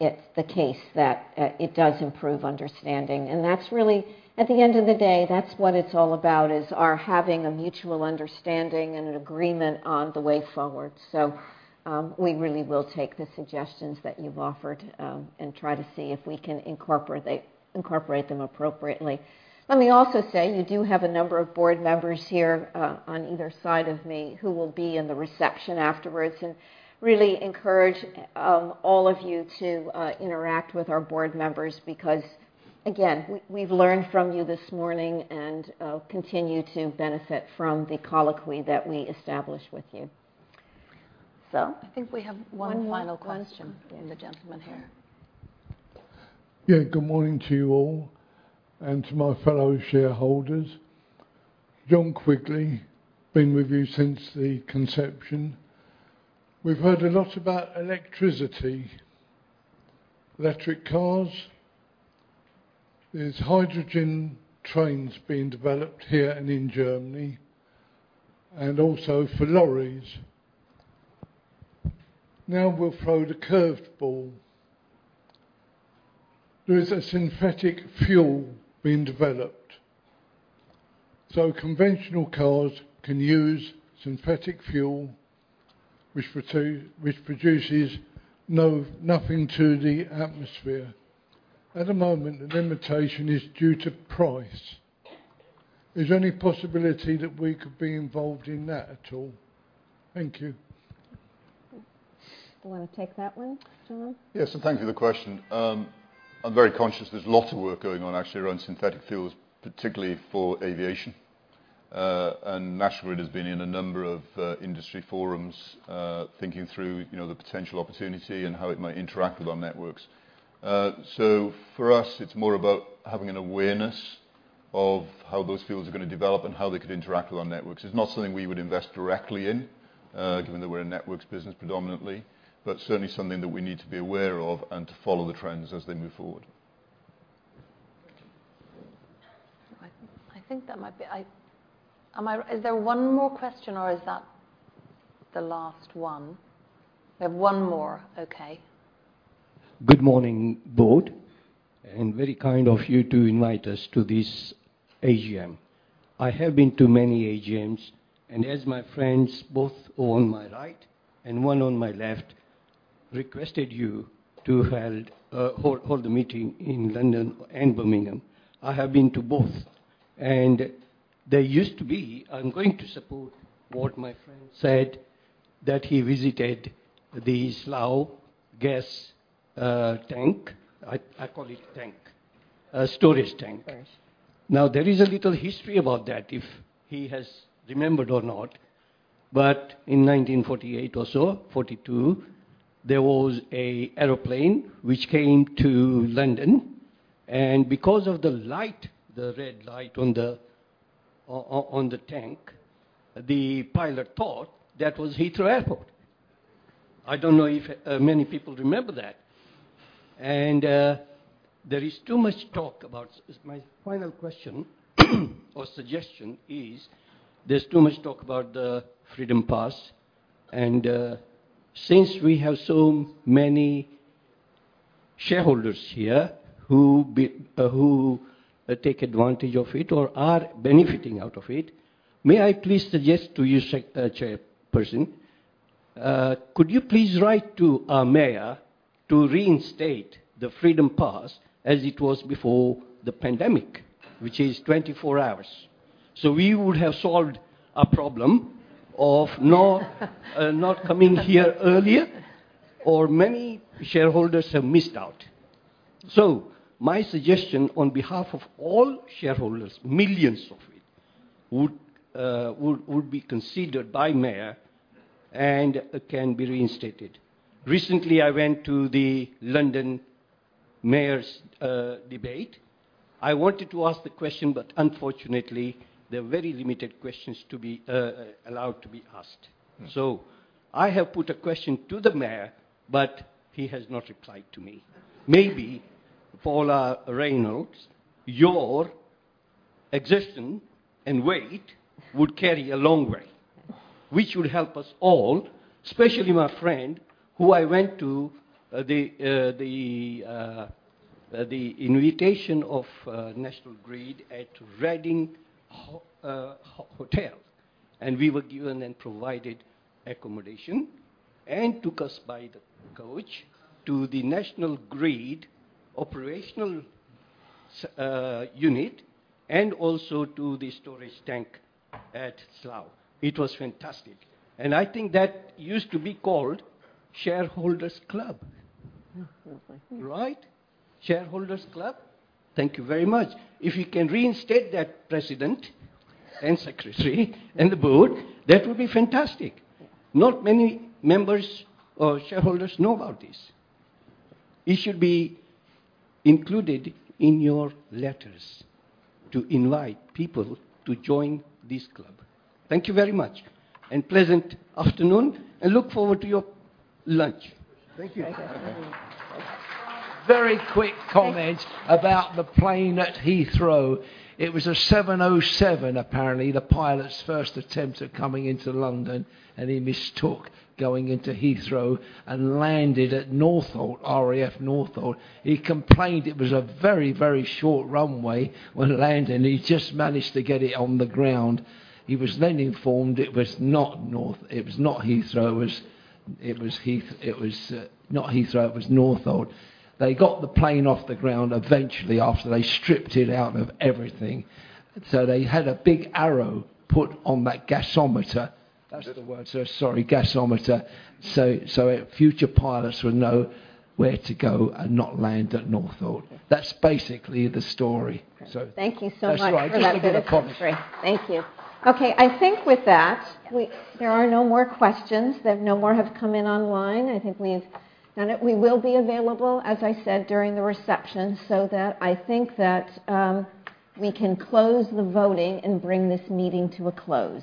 it's the case that, it does improve understanding. That's really, at the end of the day, that's what it's all about, is our having a mutual understanding and an agreement on the way forward. We really will take the suggestions that you've offered, and try to see if we can incorporate them appropriately. Let me also say, you do have a number of board members here on either side of me who will be in the reception afterwards, and really encourage all of you to interact with our board members because, again, we've learned from you this morning and continue to benefit from the colloquy that we establish with you. I think we have one final question. One more. The gentleman here. Yeah, good morning to you all and to my fellow shareholders. John Quigley, been with you since the conception. We've heard a lot about electricity, electric cars. There's hydrogen trains being developed here and in Germany, and also for lorries. Now we'll throw the curved ball. There is a synthetic fuel being developed, so conventional cars can use synthetic fuel which produces no, nothing to the atmosphere. At the moment, the limitation is due to price. Is there any possibility that we could be involved in that at all? Thank you. Do you wanna take that one, John? Yes, thank you for the question. I'm very conscious there's a lot of work going on actually around synthetic fuels, particularly for aviation. National Grid has been in a number of industry forums thinking through, you know, the potential opportunity and how it might interact with our networks. For us, it's more about having an awareness of how those fuels are gonna develop and how they could interact with our networks. It's not something we would invest directly in, given that we're a networks business predominantly, but certainly something that we need to be aware of and to follow the trends as they move forward. I think that might be. Is there one more question or is that the last one? We have one more. Okay. Good morning, board. Very kind of you to invite us to this AGM. I have been to many AGMs, and as my friends both on my right and one on my left requested you to hold the meeting in London and Birmingham. I have been to both. There used to be. I'm going to support what my friend said that he visited the Slough gas tank. I call it tank, storage tank. Yes. Now, there is a little history about that, if he has remembered or not, but in 1948 or so, 42, there was an airplane which came to London, and because of the light, the red light on the tank, the pilot thought that was Heathrow Airport. I don't know if many people remember that. There is too much talk about the Freedom Pass and, since we have so many shareholders here who take advantage of it or are benefiting out of it, may I please suggest to you, chairperson, could you please write to our mayor to reinstate the Freedom Pass as it was before the pandemic, which is 24 hours? We would have solved a problem of not coming here earlier, or many shareholders have missed out. My suggestion on behalf of all shareholders, millions of it, would be considered by Mayor and can be reinstated. Recently, I went to the London Mayor's debate. I wanted to ask the question, but unfortunately, there are very limited questions to be allowed to be asked. Mm-hmm. I have put a question to the mayor, but he has not replied to me. Maybe Paula Rosput Reynolds, your existence and weight would carry a long way. Yes. which would help us all, especially my friend who I went to the invitation of National Grid at Reading Hotel. We were given and provided accommodation and took us by the coach to the National Grid operational unit and also to the storage tank at Slough. It was fantastic. I think that used to be called Shareholders Club. Mm-hmm. Right? Shareholders Club? Thank you very much. If you can reinstate that president and secretary and the board, that would be fantastic. Yes. Not many members or shareholders know about this. It should be included in your letters to invite people to join this club. Thank you very much and pleasant afternoon and look forward to your lunch. Thank you. Very quick comment about the plane at Heathrow. It was a 707, apparently. The pilot's first attempt at coming into London, and he mistook going into Heathrow and landed at Northolt, RAF Northolt. He complained it was a very, very short runway when landing. He just managed to get it on the ground. He was then informed it was not Heathrow, it was Northolt. They got the plane off the ground eventually after they stripped it out of everything. They had a big arrow put on that gasometer. That's the word, sir, sorry. Gasometer. Future pilots would know where to go and not land at Northolt. That's basically the story. Thank you so much for that bit of history. That's right. Thank you. Okay. I think with that, there are no more questions. There are no more that have come in online. I think we've done it. We will be available, as I said, during the reception so that I think that, we can close the voting and bring this meeting to a close.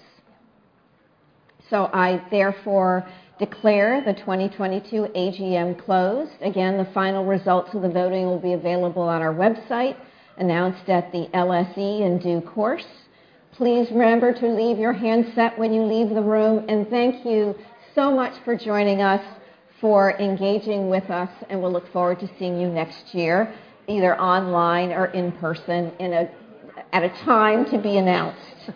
I therefore declare the 2022 AGM closed. Again, the final results of the voting will be available on our website, announced at the LSE in due course. Please remember to leave your handset when you leave the room. Thank you so much for joining us, for engaging with us, and we'll look forward to seeing you next year, either online or in person, at a time to be announced.